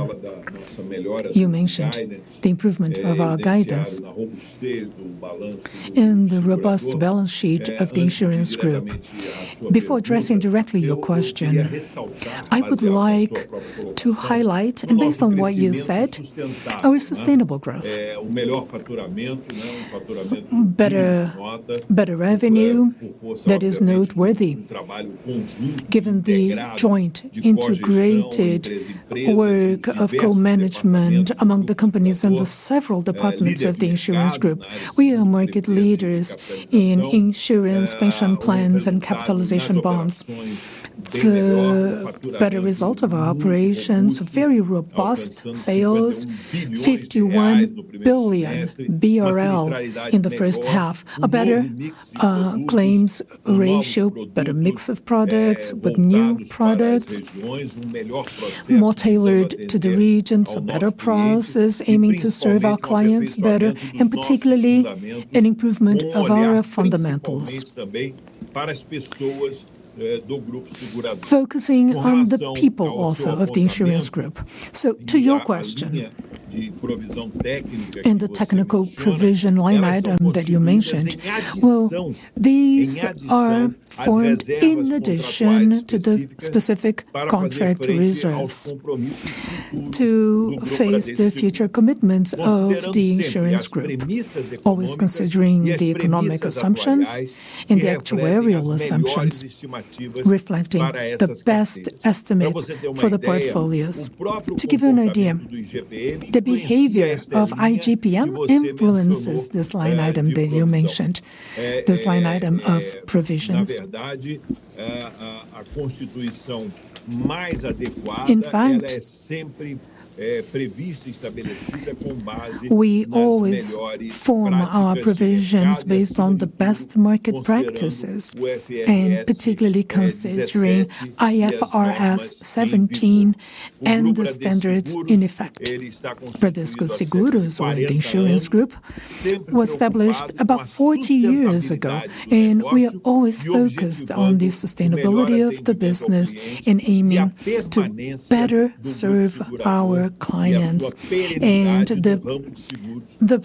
you mentioned the improvement of our guidance and the robust balance sheet of the Insurance Group. Before addressing directly your question, I would like to highlight, and based on what you said, our sustainable growth. Better, better revenue that is noteworthy, given the joint integrated work of co-management among the companies and the several departments of the Insurance Group. We are market leaders in insurance, pension plans, and capitalization bonds. The better result of our operations, very robust sales, 51 billion BRL in the first half. A better claims ratio, better mix of products with new products, more tailored to the regions, a better process aiming to serve our clients better, and particularly an improvement of our fundamentals. Focusing on the people also of the Insurance Group. So to your question, and the technical provision line item that you mentioned, well, these are formed in addition to the specific contract reserves to face the future commitments of the Insurance Group. Always considering the economic assumptions and the actuarial assumptions, reflecting the best estimate for the portfolios. To give you an idea, the behavior of IGP-M influences this line item that you mentioned, this line item of provisions. In fact, we always form our provisions based on the best market practices, and particularly considering IFRS 17 and the standards in effect. Bradesco Seguros or the Insurance Group, was established about 40 years ago, and we are always focused on the sustainability of the business and aiming to better serve our clients and the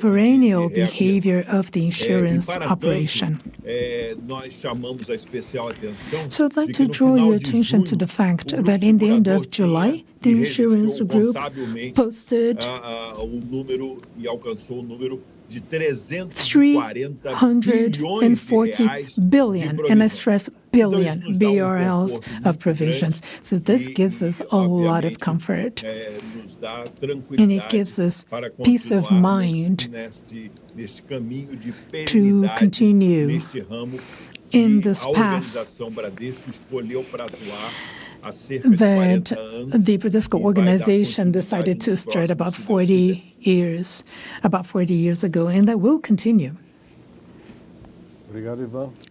perennial behavior of the insurance operation. ...and we call special attention- I'd like to draw your attention to the fact that in the end of July, the Insurance Group posted, 340 billion, and I stress billion, BRLs of provisions. This gives us a lot of comfort, and it gives us peace of mind to continue in this path that the Bradesco organization decided to start about 40 years, about 40 years ago, and that will continue.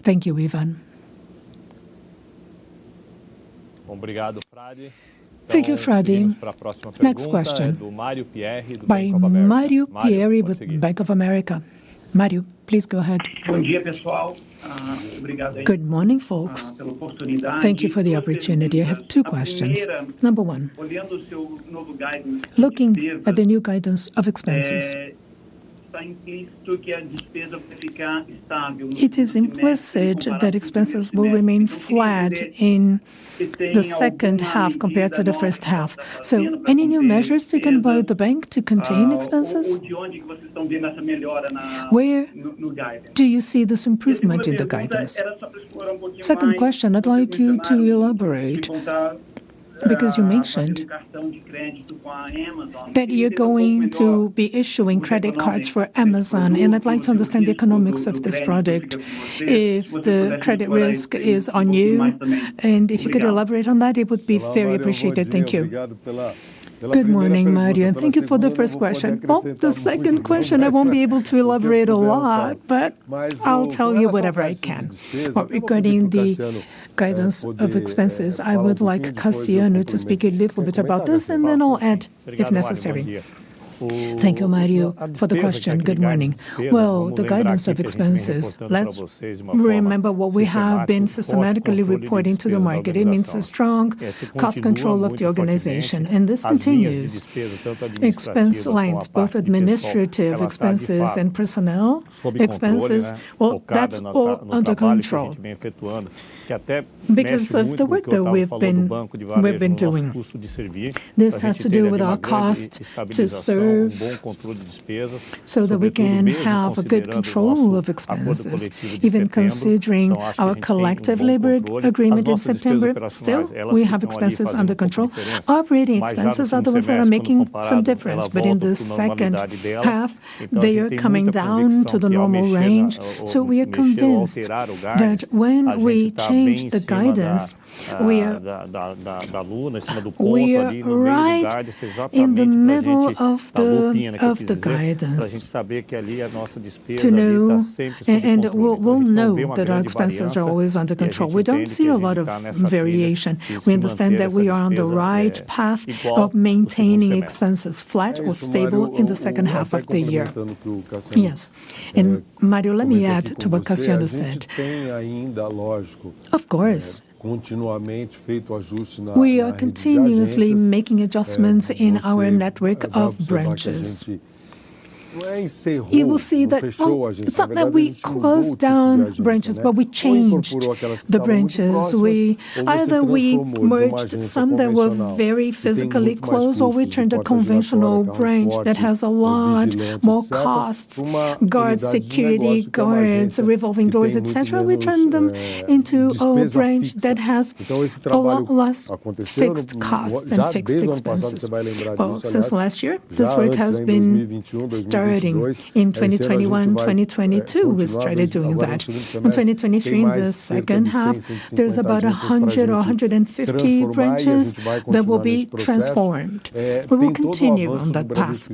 Thank you, Ivan. Thank you, Frade. Next question, by Mario Pierry with Bank of America. Mario, please go ahead. Good morning, folks. Thank you for the opportunity. I have two questions. Number one, looking at the new guidance of expenses, it is implicit that expenses will remain flat in the second half compared to the first half. Any new measures taken by the bank to contain expenses? Where do you see this improvement in the guidance? Second question, I'd like you to elaborate, because you mentioned that you're going to be issuing credit cards for Amazon, and I'd like to understand the economics of this project, if the credit risk is on you, and if you could elaborate on that, it would be very appreciated. Thank you. Good morning, Mario, and thank you for the first question. The second question, I won't be able to elaborate a lot, but I'll tell you whatever I can. Regarding the guidance of expenses, I would like Cassiano to speak a little bit about this, and then I'll add if necessary. Thank you, Mario, for the question. Good morning. The guidance of expenses, let's remember what we have been systematically reporting to the market. It means a strong cost control of the organization, and this continues. Expense lines, both administrative expenses and personnel expenses, that's all under control. Because of the work that we've been doing. This has to do with our cost to serve, so that we can have a good control of expenses. Even considering our collective labor agreement in September, still, we have expenses under control. Operating expenses are the ones that are making some difference, but in the second half, they are coming down to the normal range. We are convinced that when we change the guidance, we are, we are right in the middle of the, of the guidance. To know... We, we'll know that our expenses are always under control. We don't see a lot of variation. We understand that we are on the right path of maintaining expenses flat or stable in the second half of the year. Yes, Mario, let me add to what Cassiano said. Of course, we are continuously making adjustments in our network of branches. You will see that, well, it's not that we closed down branches, but we changed the branches. Either we merged some that were very physically close, or we turned a conventional branch that has a lot more costs, guards, security guards, revolving doors, et cetera. We turned them into a branch that has a lot less fixed costs and fixed expenses. Well, since last year, this work has been starting. In 2021, 2022, we started doing that. In 2023, in the second half, there's about 100 or 150 branches that will be transformed. We'll continue on that path.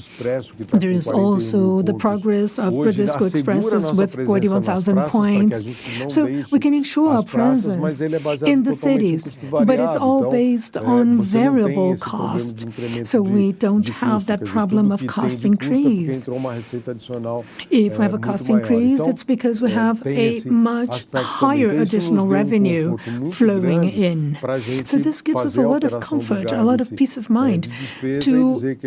There is also the progress of Bradesco Expresso with 41,000 points. We can ensure our presence in the cities, but it's all based on variable cost, so we don't have that problem of cost increase. If we have a cost increase, it's because we have a much higher additional revenue flowing in. This gives us a lot of comfort, a lot of peace of mind, to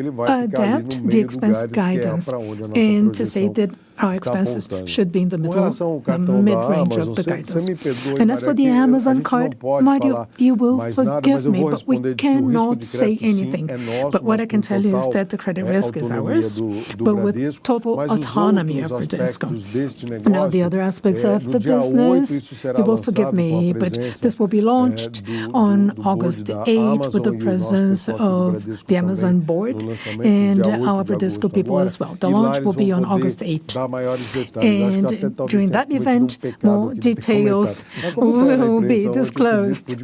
adapt the expense guidance and to say that our expenses should be in the middle, the mid-range of the guidance. As for the Amazon card, Mario, you will forgive me, but we cannot say anything. What I can tell you is that the credit risk is ours, but with total autonomy of Bradesco. Now, the other aspects of the business, you will forgive me, but this will be launched on August 8th, 2023 with the presence of the Amazon board and our Bradesco people as well. The launch will be on August 8th, 2023 and during that event, more details will be disclosed.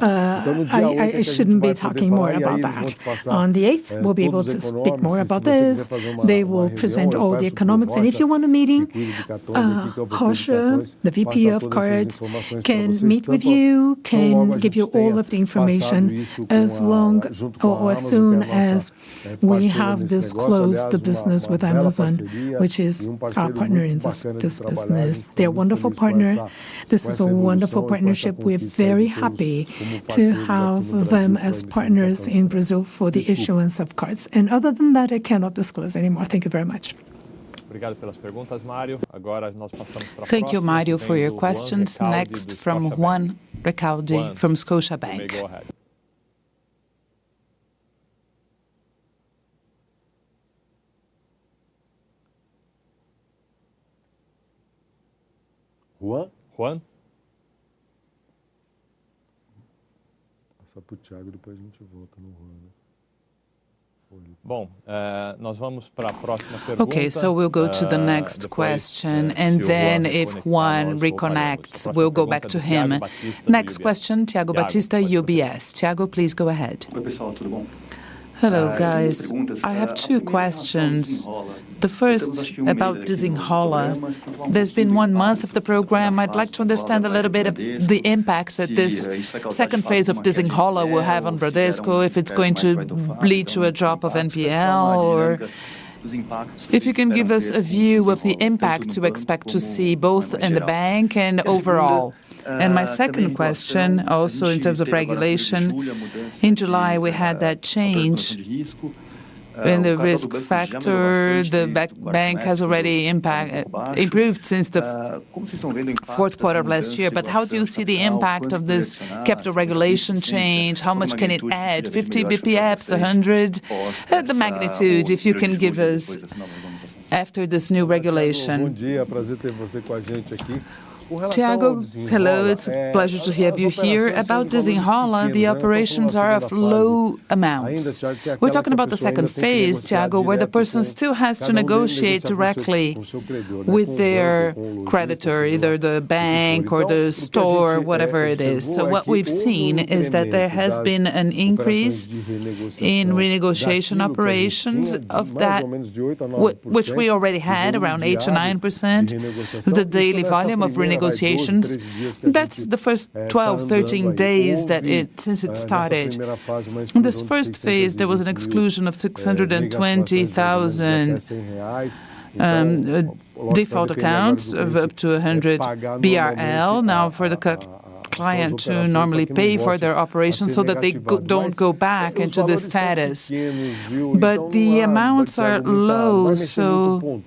I shouldn't be talking more about that. On the August 8th, 2023, we'll be able to speak more about this. They will present all the economics, and if you want a meeting, Rocha, the VP of Cards, can meet with you, can give you all of the information, as long or, or as soon as we have disclosed the business with Amazon, which is our partner in this, this business. They're a wonderful partner. This is a wonderful partnership. We're very happy to have them as partners in Brazil for the issuance of cards. Other than that, I cannot disclose any more. Thank you very much. Thank you, Mario, for your questions. Next, from Juan Recalde from Scotiabank. Go ahead. Juan? Juan? Pass that to Thiago, depois a gente volta no Juan. Bom, nós vamos pra próxima pergunta. Okay, we'll go to the next question, and then if Juan reconnects, we'll go back to him. Next question, Thiago Batista, UBS. Thiago, please go ahead. Hello, guys. I have two questions. The first, about Desenrola. There's been one month of the program. I'd like to understand a little bit of the impacts that this second phase of Desenrola will have on Bradesco, if it's going to lead to a drop of NPL, or if you can give us a view of the impact you expect to see, both in the bank and overall. My second question, also in terms of regulation, in July, we had that change in the risk factor. The bank has already impact improved since the fourth quarter of last year. How do you see the impact of this capital regulation change? How much can it add, 50 basis points, 100? The magnitude, if you can give us after this new regulation. Thiago, hello, it's a pleasure to have you here. About Desenrola, the operations are of low amounts. We're talking about the second phase, Thiago, where the person still has to negotiate directly with their creditor, either the bank or the store, whatever it is. What we've seen is that there has been an increase in renegotiation operations of that, which we already had, around 8%-9%, the daily volume of renegotiations. That's the first 12, 13 days that it since it started. In this st phase, there was an exclusion of 620,000 default accounts of up to 100 BRL. Now, for the client to normally pay for their operations so that they go, don't go back into the status. The amounts are low, so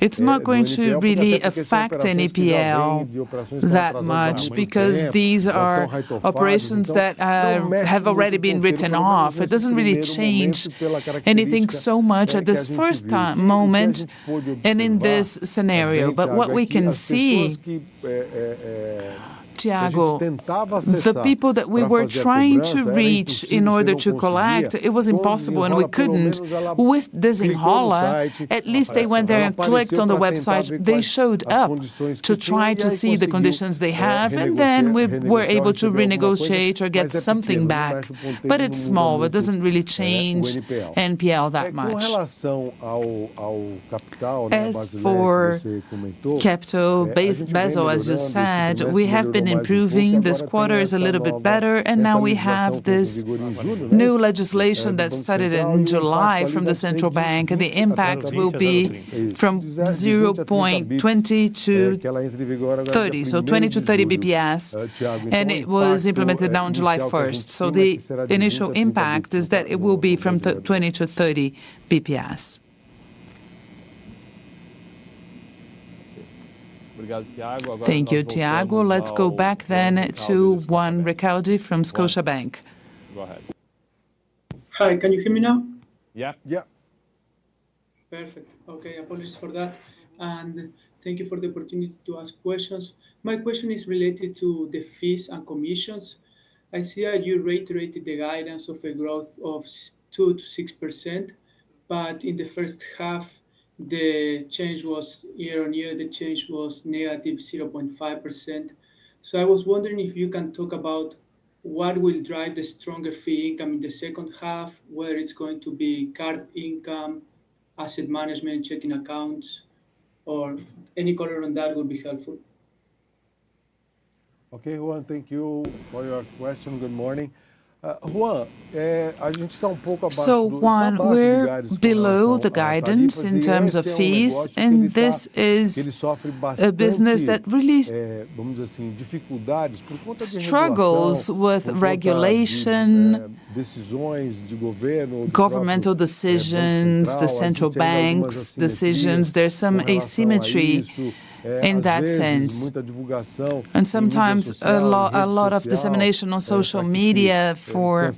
it's not going to really affect NPL that much, because these are operations that have already been written off. It doesn't really change anything so much at this first moment and in this scenario. What we can see, Thiago, the people that we were trying to reach in order to collect, it was impossible, and we couldn't. With Desenrola, at least they went there and clicked on the website. They showed up to try to see the conditions they have, and then we were able to renegotiate or get something back. It's small. It doesn't really change NPL that much. For capital base, Basel, as you said, we have been improving. This quarter is a little bit better. Now we have this new legislation that started in July from the central bank. The impact will be from 0.20 bps-30 bps, so 20 bps-30 bps. It was implemented now on July 1st. The initial impact is that it will be from 20 bps-30 bps. Thank you, Thiago. Let's go back to Juan Ricalde from Scotiabank. Go ahead. Hi, can you hear me now? Yeah. Yeah. Perfect. Okay, apologies for that, and thank you for the opportunity to ask questions. My question is related to the fees and commissions. I see that you reiterated the guidance of a growth of 2%-6%, in the first half, the change was year-over-year, the change was -0.5%. I was wondering if you can talk about what will drive the stronger fee income in the second half, where it's going to be card income, asset management, checking accounts, or any color on that would be helpful. Okay, Juan, thank you for your question. Good morning. Juan, a gente está um pouco abaixo- Juan, we're below the guidance in terms of fees, and this is a business that really struggles with regulation, governmental decisions, the central bank's decisions. There's some asymmetry in that sense, and sometimes a lot of dissemination on social media for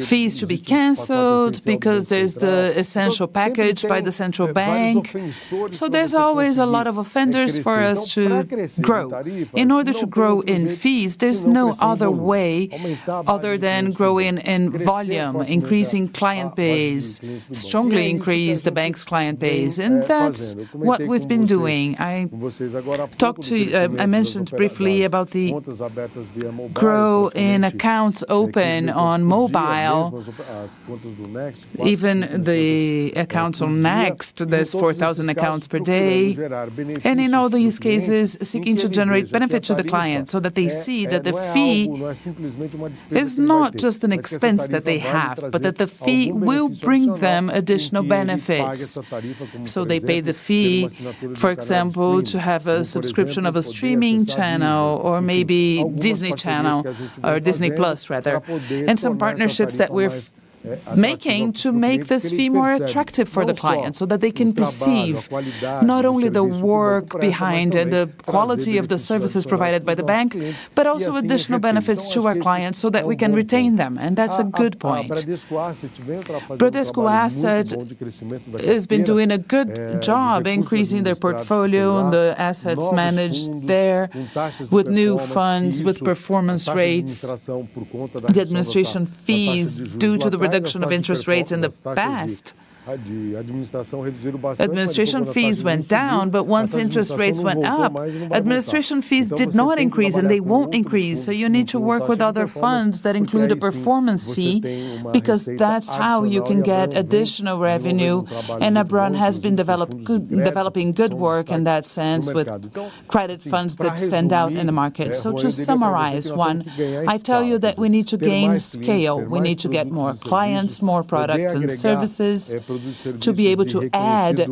fees to be canceled because there's the essential package by the central bank. There's always a lot of offenders for us to grow. In order to grow in fees, there's no other way other than growing in volume, increasing client base, strongly increase the bank's client base, and that's what we've been doing. I talked to, I mentioned briefly about the grow in accounts open on mobile, even the accounts on Next, there's 4,000 accounts per day. In all these cases, seeking to generate benefit to the client so that they see that the fee is not just an expense that they have, but that the fee will bring them additional benefits. They pay the fee, for example, to have a subscription of a streaming channel or maybe Disney Channel, or Disney Plus, rather, and some partnerships that we've- making to make this fee more attractive for the client, so that they can perceive not only the work behind and the quality of the services provided by the bank, but also additional benefits to our clients so that we can retain them. That's a good point. Bradesco Asset has been doing a good job increasing their portfolio and the assets managed there with new funds, with performance rates. The administration fees, due to the reduction of interest rates in the past, administration fees went down, but once interest rates went up, administration fees did not increase, and they won't increase. You need to work with other funds that include a performance fee, because that's how you can get additional revenue, Bradesco Asset has been developing good work in that sense with credit funds that stand out in the market. To summarize, one, I tell you that we need to gain scale. We need to get more clients, more products and services, to be able to add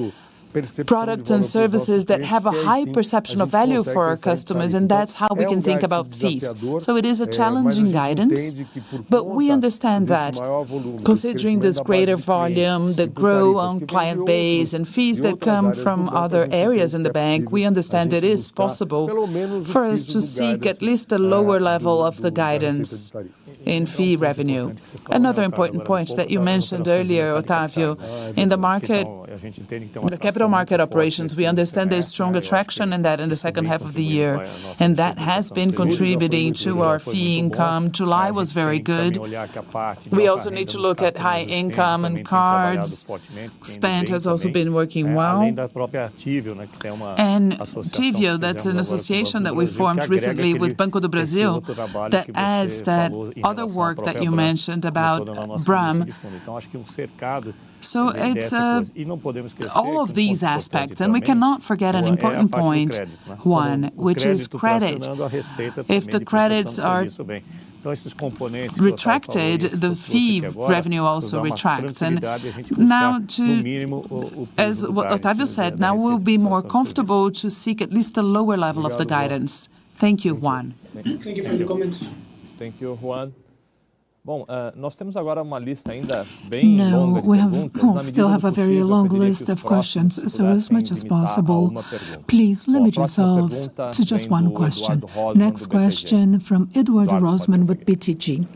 products and services that have a high perception of value for our customers, and that's how we can think about fees. It is a challenging guidance, but we understand that considering this greater volume, the growth on client base and fees that come from other areas in the bank, we understand it is possible for us to seek at least a lower level of the guidance in fee revenue. Another important point that you mentioned earlier, Octavio, in the market, in the capital market operations, we understand there's strong attraction in that in the second half of the year, and that has been contributing to our fee income. July was very good. We also need to look at high income, cards spent has also been working well. Tivio Capital, that's an association that we formed recently with Banco do Brasil, that adds that other work that you mentioned about BRAM. It's all of these aspects, and we cannot forget an important point, one, which is credit. If the credits are retracted, the fee revenue also retracts. Now as what Octavio said, now we'll be more comfortable to seek at least a lower level of the guidance. Thank you, Juan. Thank you for the comments. Thank you, Juan. Now, we still have a very long list of questions. As much as possible, please limit yourselves to just one question. Next question from Eduardo Rosman with BTG.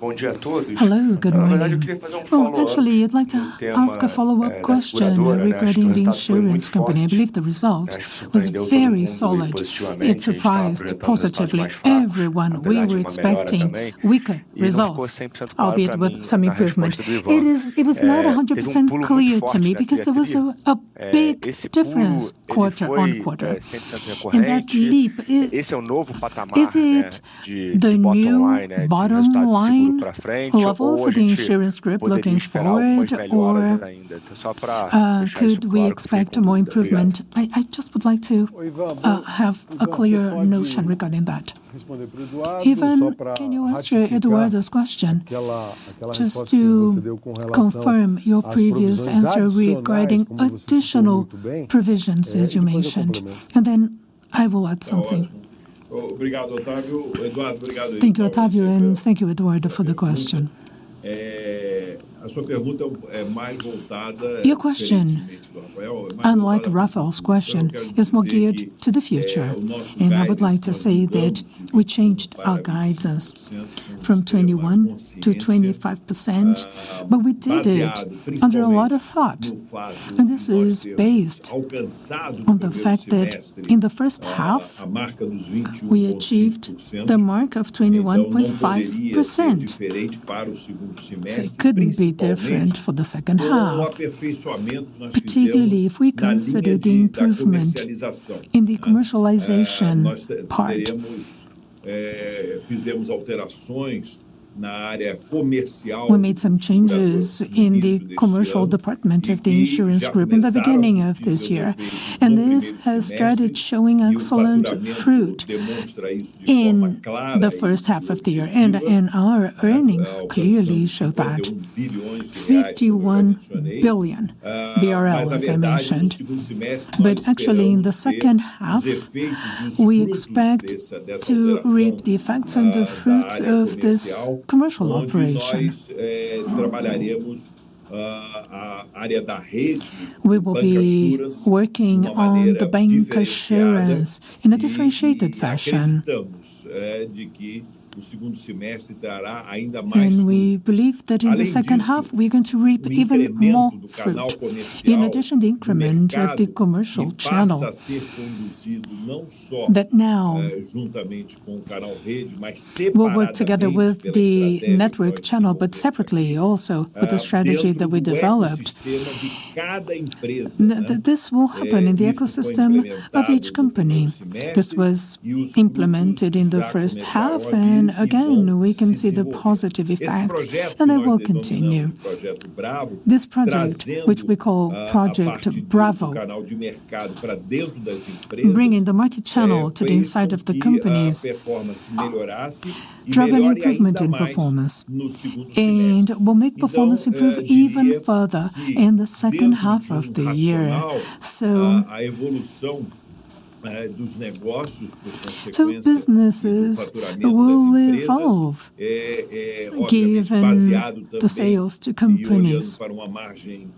Hello, good morning. Well, actually, I'd like to ask a follow-up question regarding the Insurance Group. I believe the result was very solid. It surprised positively everyone. We were expecting weaker results, albeit with some improvement. It was not 100% clear to me, because there was a big difference quarter-on-quarter. In that leap, is it the new bottom line for the Insurance Group looking forward, or could we expect more improvement? I, I just would like to have a clearer notion regarding that. Ivan, can you answer Eduardo's question, just to confirm your previous answer regarding additional provisions, as you mentioned, and then I will add something. Thank you, Octavio, and thank you, Eduardo, for the question. Your question, unlike Rafael's question, is more geared to the future, and I would like to say that we changed our guidance from 21%-25%, but we did it under a lot of thought, and this is based on the fact that in the first half, we achieved the mark of 21.5%. So it couldn't be different for the second half, particularly if we consider the improvement in the commercialization part. We made some changes in the commercial department of the Insurance Group in the beginning of this year, and our earnings clearly show that, 51 billion BRL, as I mentioned. Actually, in the second half, we expect to reap the effects and the fruits of this commercial operation. We will be working on the bank insurance in a differentiated fashion. And we believe that in the second half, we're going to reap even more fruit. In addition, the increment of the commercial channel, that now we'll work together with the network channel, but separately also, with the strategy that we developed. This will happen in the ecosystem of each company. This was implemented in the first half, and again, we can see the positive effect, and it will continue. This project, which we call Project Bravo, bringing the market channel to the inside of the companies, drive an improvement in performance and will make performance improve even further in the second half of the year. Businesses will evolve, given the sales to companies. Looking,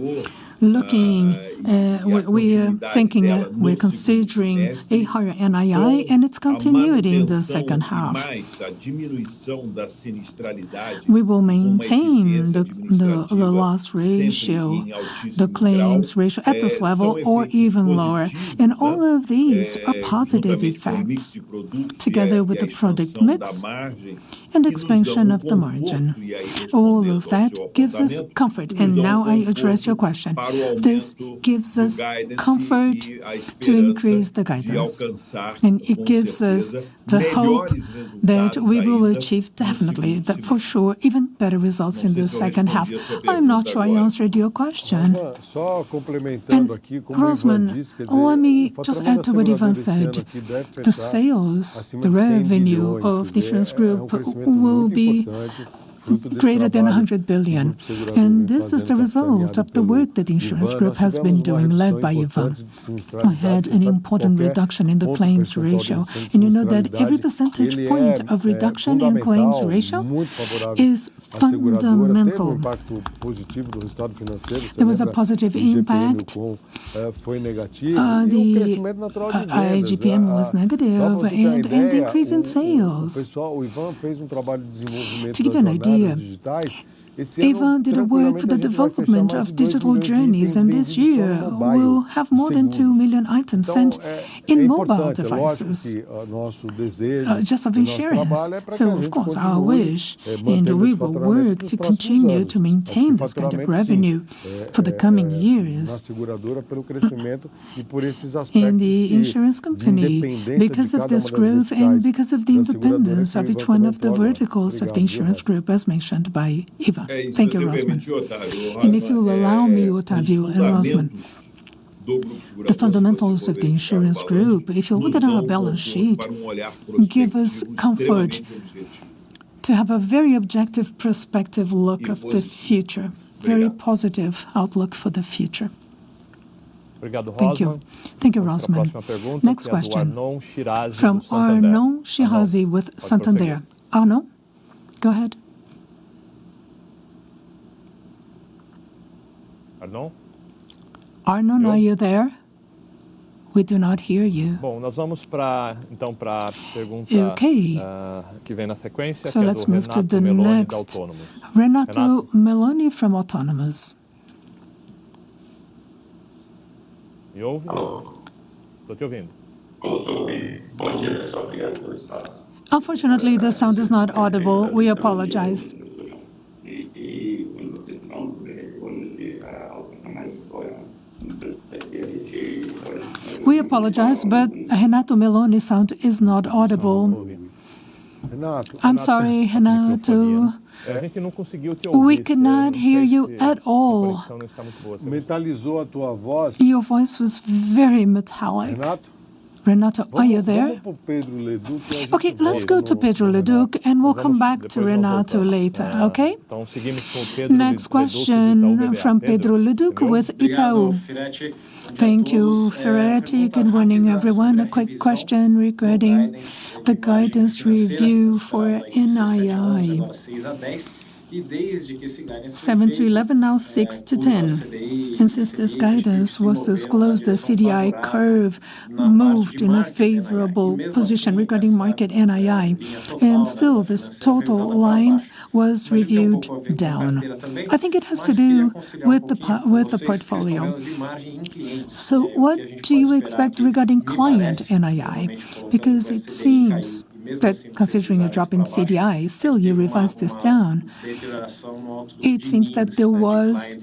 we, we are thinking, we're considering a higher NII and its continuity in the second half. We will maintain the, the, the loss ratio, the claims ratio at this level or even lower, and all of these are positive effects. Together with the product mix and expansion of the margin, all of that gives us comfort, and now I address your question. This gives us comfort to increase the guidance, and it gives us the hope that we will achieve definitely, that for sure, even better results in the second half. I'm not sure I answered your question. Rosman, let me just add to what Ivan said. The sales, the revenue of the Insurance Group will be greater than 100 billion. This is the result of the work that the Insurance Group has been doing, led by Ivan. We had an important reduction in the claims ratio. You know that every percentage point of reduction in claims ratio is fundamental. There was a positive impact. The IGP-M was negative. The increase in sales. To give you an idea, Ivan did a work for the development of digital journeys. This year we'll have more than 2 million items sent in mobile devices, just of insurances. Of course, our wish, and we will work to continue to maintain this kind of revenue for the coming years in the Insurance company, because of this growth and because of the independence of each one of the verticals of the Insurance Group, as mentioned by Ivan. Thank you, Rosman. If you'll allow me, Octavio and Rosman, the fundamentals of the Insurance Group, if you look at our balance sheet, give us comfort to have a very objective, prospective look of the future, very positive outlook for the future. Thank you. Thank you, Rosman. Next question from Arnon Shirazi with Santander. Arnon, go ahead. Arnon, are you there? We do not hear you. Okay, let's move to the next. Renato Meloni from Autonomous. Hello. Unfortunately, the sound is not audible. We apologize. We apologize, but Renato Meloni's sound is not audible. I'm sorry, Renato, we cannot hear you at all. Your voice was very metallic. Renato, are you there? Okay, let's go to Pedro Leduc, and we'll come back to Renato later, okay? Next question from Pedro Leduc with Itaú. Thank you, Firetti. Good morning, everyone. A quick question regarding the guidance review for NII. 7-11, now 6-10, and since this guidance was disclosed, the CDI curve moved in a favorable position regarding Market NII, and still this total line was reviewed down. I think it has to do with the portfolio. So what do you expect regarding Client NII? Because it seems that considering a drop in CDI, still you revised this down. It seems that there was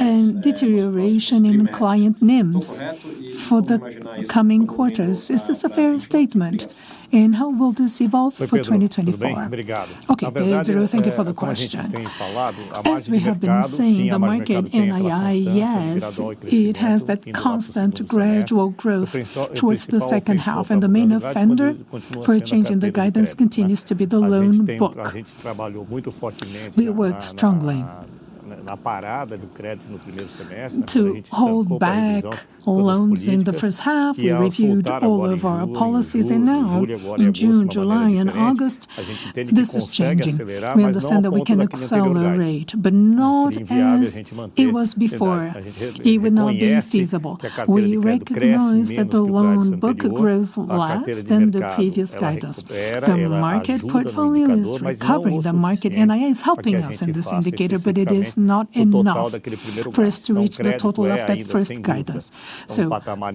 a deterioration in client NIMs for the coming quarters. Is this a fair statement, and how will this evolve for 2024? Okay, Pedro, thank you for the question. As we have been saying, the Market NII, yes, it has that constant gradual growth towards the second half, and the main offender for changing the guidance continues to be the loan book. We worked strongly to hold back loans in the first half. We reviewed all of our policies, and now in June, July, and August, this is changing. We understand that we can accelerate, but not as it was before. It would not be feasible. We recognize that the loan book growth less than the previous guidance. The market portfolio is recovering. The Market NII is helping us in this indicator, it is not enough for us to reach the total of that first guidance.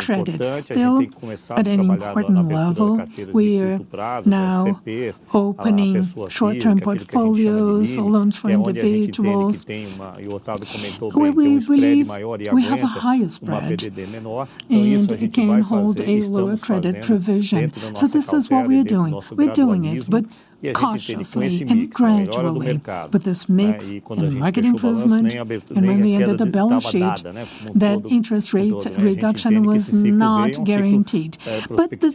Credit, still at an important level, we are now opening short-term portfolios or loans for individuals, where we believe we have a higher spread, and we can hold a lower credit provision. This is what we are doing. We are doing it, cautiously and gradually. This mix and the market improvement, and when we ended the balance sheet, that interest rate reduction was not guaranteed.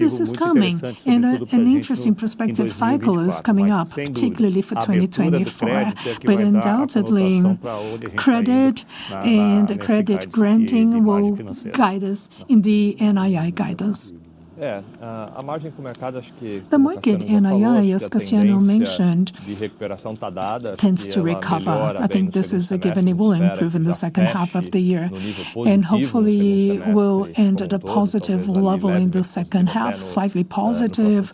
This is coming, and an interesting prospective cycle is coming up, particularly for 2024. Undoubtedly, credit and credit granting will guide us in the NII guidance. The Market NII, as Cassiano mentioned, tends to recover. I think this is a given it will improve in the second half of the year, and hopefully will end at a positive level in the second half, slightly positive,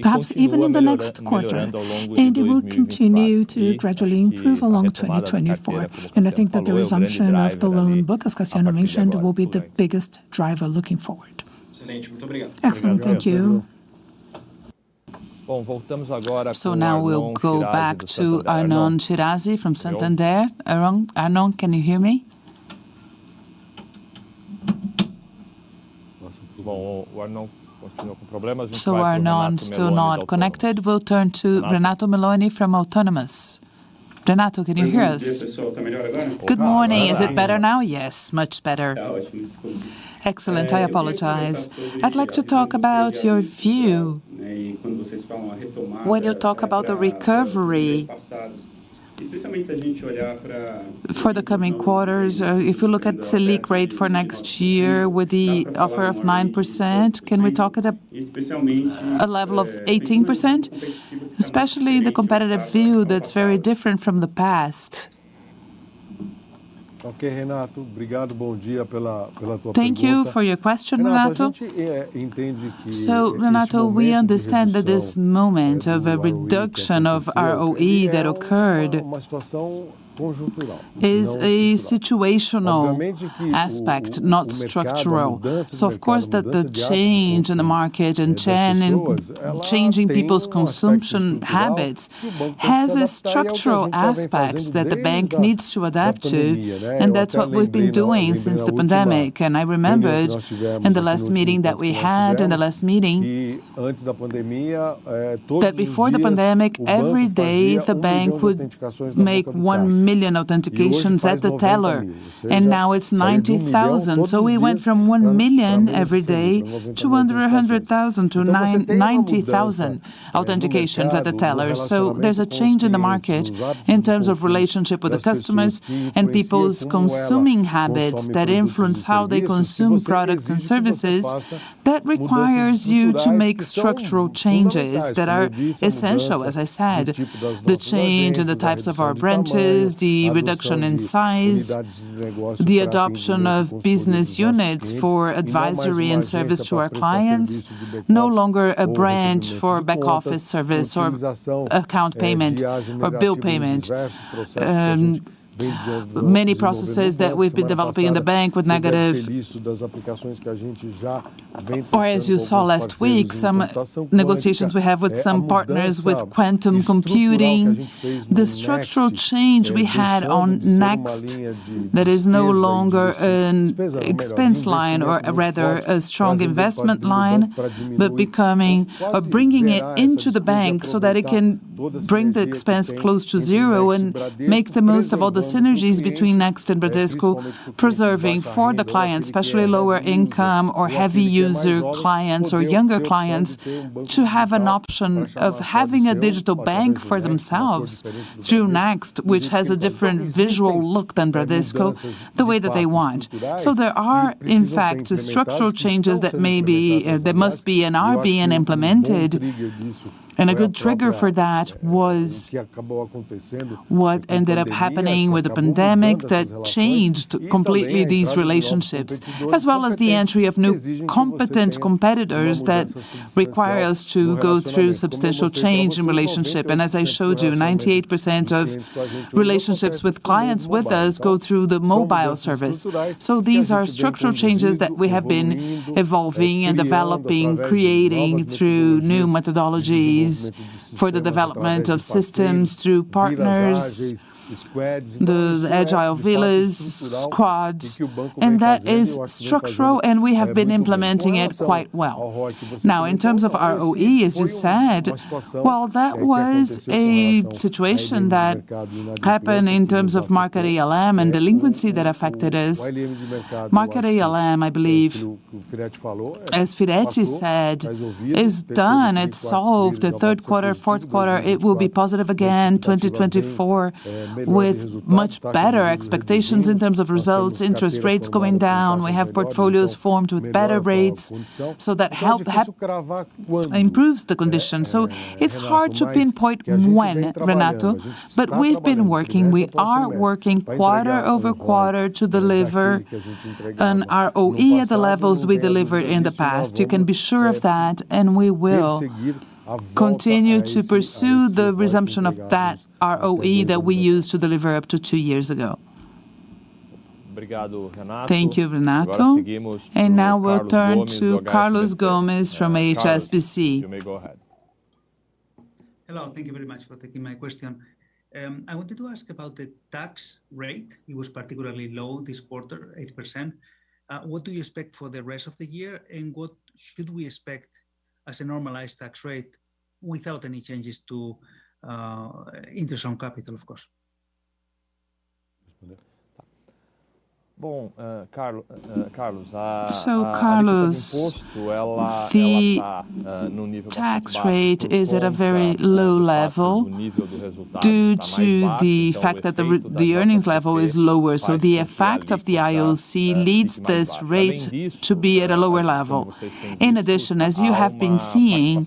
perhaps even in the next quarter. It will continue to gradually improve along 2024, and I think that the resumption of the loan book, as Cassiano mentioned, will be the biggest driver looking forward. Excellent. Thank you. Now we'll go back to Arnon Shirazi from Santander. Arnon, Arnon, can you hear me? Arnon, still not connected. We'll turn to Renato Milani from Autonomous. Renato, can you hear us? Good morning. Is it better now? Yes, much better. Excellent. I apologize. I'd like to talk about your view. When you talk about the recovery for the coming quarters, if you look at Selic rate for next year with the offer of 9%, can we talk at a level of 18%, especially the competitive view that's very different from the past? Thank you for your question, Renato. Renato, we understand that this moment of a reduction of ROE that occurred is a situational aspect, not structural. Of course, that the change in the market and changing people's consumption habits, has a structural aspect that the bank needs to adapt to, and that's what we've been doing since the pandemic. I remembered in the last meeting that we had, in the last meeting, that before the pandemic, every day, the bank would make 1 million authentications at the teller, and now it's 90,000. We went from 1 million every day to under 100,000 to 90,000 authentications at the teller. There's a change in the market in terms of relationship with the customers and people's consuming habits that influence how they consume products and services. That requires you to make structural changes that are essential, as I said, the change in the types of our branches, the reduction in size, the adoption of business units for advisory and service to our clients. No longer a branch for back office service or account payment or bill payment. Many processes that we've been developing in the bank with negative... Or as you saw last week, some negotiations we have with some partners, with quantum computing. The structural change we had on Next, that is no longer an expense line or rather a strong investment line, but becoming or bringing it into the bank so that it can bring the expense close to zero and make the most of all the synergies between Next and Bradesco, preserving for the client, especially lower income or heavy user clients or younger clients, to have an option of having a digital bank for themselves through Next, which has a different visual look than Bradesco, the way that they want. There are, in fact, structural changes that may be, that must be and are being implemented. A good trigger for that was what ended up happening with the pandemic that changed completely these relationships, as well as the entry of new competent competitors that require us to go through substantial change in relationship. As I showed you, 98% of relationships with clients with us go through the mobile service. These are structural changes that we have been evolving and developing, creating through new methodologies for the development of systems, through partners, the agile villas squads, and that is structural, and we have been implementing it quite well. Now, in terms of ROE, as you said, well, that was a situation that happened in terms of market ALM and delinquency that affected us. Market ALM, I believe, as Firetti said, is done. It's solved. The third quarter, fourth quarter, it will be positive again, 2024, with much better expectations in terms of results, interest rates going down. We have portfolios formed with better rates, that help improves the condition. It's hard to pinpoint when, Renato, but we've been working, we are working quarter-over-quarter to deliver an ROE at the levels we delivered in the past. You can be sure of that, and we will continue to pursue the resumption of that ROE that we used to deliver up to two years ago. Thank you, Renato. Now we'll turn to Carlos Gomez from HSBC. You may go ahead. Hello, thank you very much for taking my question. I wanted to ask about the tax rate. It was particularly low this quarter, 8%. What do you expect for the rest of the year, and what should we expect as a normalized tax rate without any changes to interest on capital, of course? Carlos, the tax rate is at a very low level due to the fact that the earnings level is lower, so the effect of the IoC leads this rate to be at a lower level. In addition, as you have been seeing,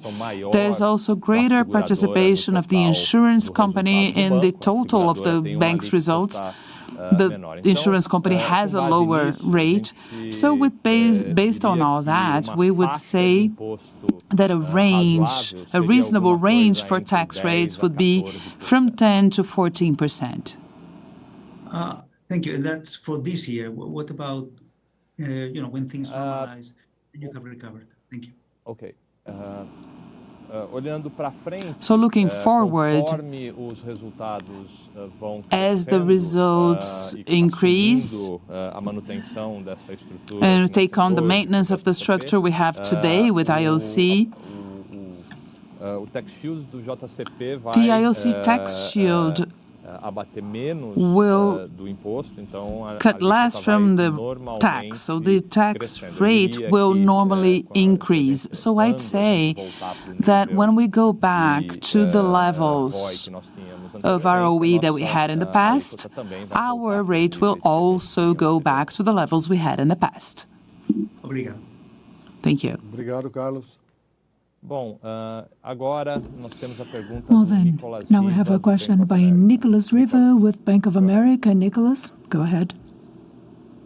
there's also greater participation of the Insurance company in the total of the Bank's results. The Insurance company has a lower rate, so with base, based on all that, we would say that a range, a reasonable range for tax rates would be from 10%-14%. Thank you. That's for this year. What, what about, you know, when things rise, and you have recovered? Thank you. Okay. Looking forward, as the results increase, take on the maintenance of the structure we have today with IoC, the IoC tax shield will cut less from the tax, so the tax rate will normally increase. I'd say that when we go back to the levels of ROE that we had in the past, our rate will also go back to the levels we had in the past. Thank you. Thank you, Carlos. Bom, agora nós temos a pergunta... Well then, now we have a question by Nicholas Riva with Bank of America. Nicholas, go ahead.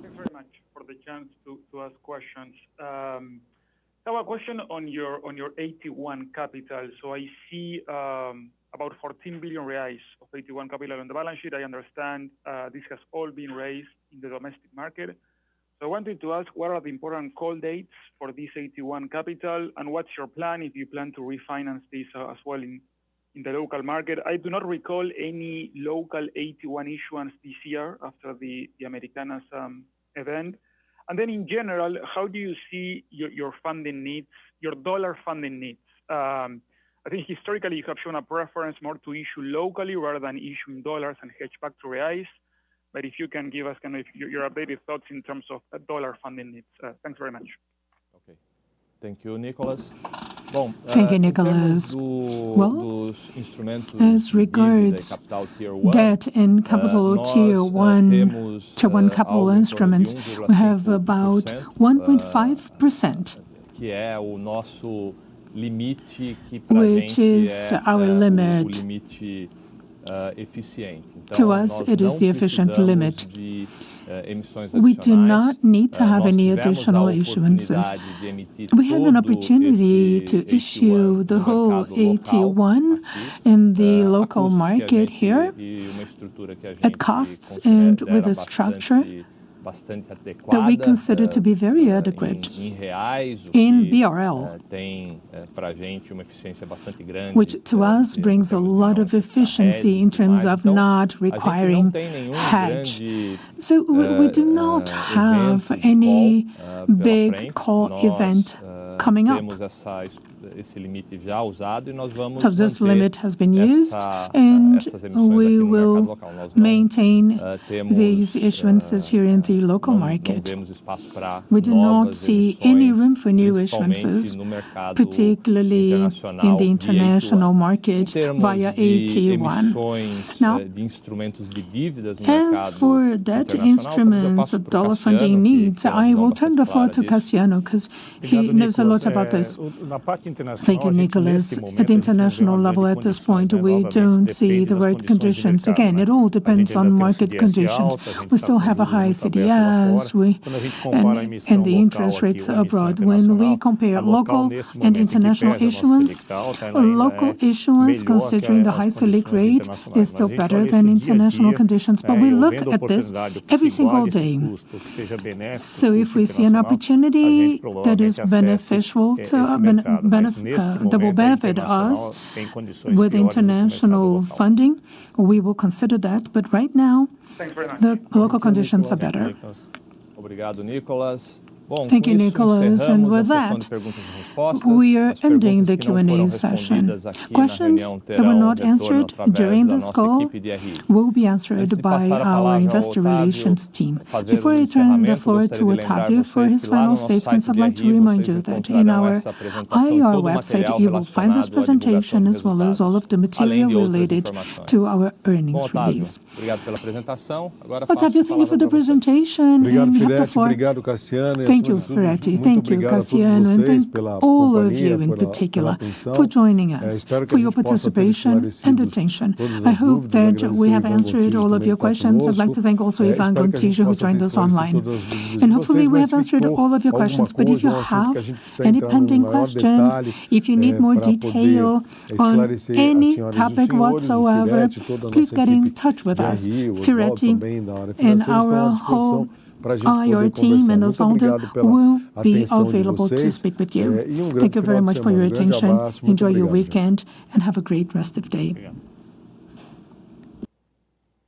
Thank you very much for the chance to, to ask questions. I have a question on your, on your Tier 1 capital. I see about 14 billion reais of Tier 1 capital on the balance sheet. I understand this has all been raised in the domestic market. I wanted to ask, what are the important call dates for this Tier 1 capital, and what's your plan if you plan to refinance this as well in, in the local market? I do not recall any local Tier 1 issuance this year after the, the Americanas event. And then in general, how do you see your, your funding needs, your dollar funding needs? I think historically you have shown a preference more to issue locally rather than issuing dollars and hedge back to reais. If you can give us kind of your, your updated thoughts in terms of dollar funding needs. Thanks very much. Okay. Thank you, Nicholas. Thank you, Nicholas. Well, as regards debt and capital Tier 1 to one capital instruments, we have about 1.5%. Which is our limit. To us, it is the efficient limit. We do not need to have any additional issuances. We had an opportunity to issue the whole AT1 in the local market here at costs and with a structure that we consider to be very adequate in BRL, which to us brings a lot of efficiency in terms of not requiring hedge. We, we do not have any big core event coming up. This limit has been used, and we will maintain these issuances here in the local market. We do not see any room for new issuances, particularly in the international market via AT1. Now, as for debt instruments or dollar funding needs, I will turn the floor to Cassiano, 'cause he knows a lot about this. Thank you, Nicholas. At the international level, at this point, we don't see the right conditions. Again, it all depends on market conditions. We still have a high CDAs, we. and the interest rates abroad. When we compare local and international issuance, local issuance, considering the high Selic rate, is still better than international conditions, but we look at this every single day. If we see an opportunity that is beneficial to that will benefit us with the international funding, we will consider that. Right now- Thanks very much. the local conditions are better. Thank you, Nicholas. Thank you, Nicholas. With that, we are ending the Q&A session. Questions that were not answered during this call will be answered by our Investor Relations team. Before I turn the floor to Otavio for his final statements, I'd like to remind you that in our IR website, you will find this presentation, as well as all of the material related to our earnings release. Octavio, thank you for the presentation. Thank you, Firetti. Thank you, Cassiano, and thank all of you in particular, for joining us, for your participation and attention. I hope that we have answered all of your questions. I'd like to thank also Ivan Gontijo, who joined us online. Hopefully, we have answered all of your questions, but if you have any pending questions, if you need more detail on any topic whatsoever, please get in touch with us. Firetti and our whole IR team and those on it will be available to speak with you. Thank you very much for your attention. Enjoy your weekend, and have a great rest of day.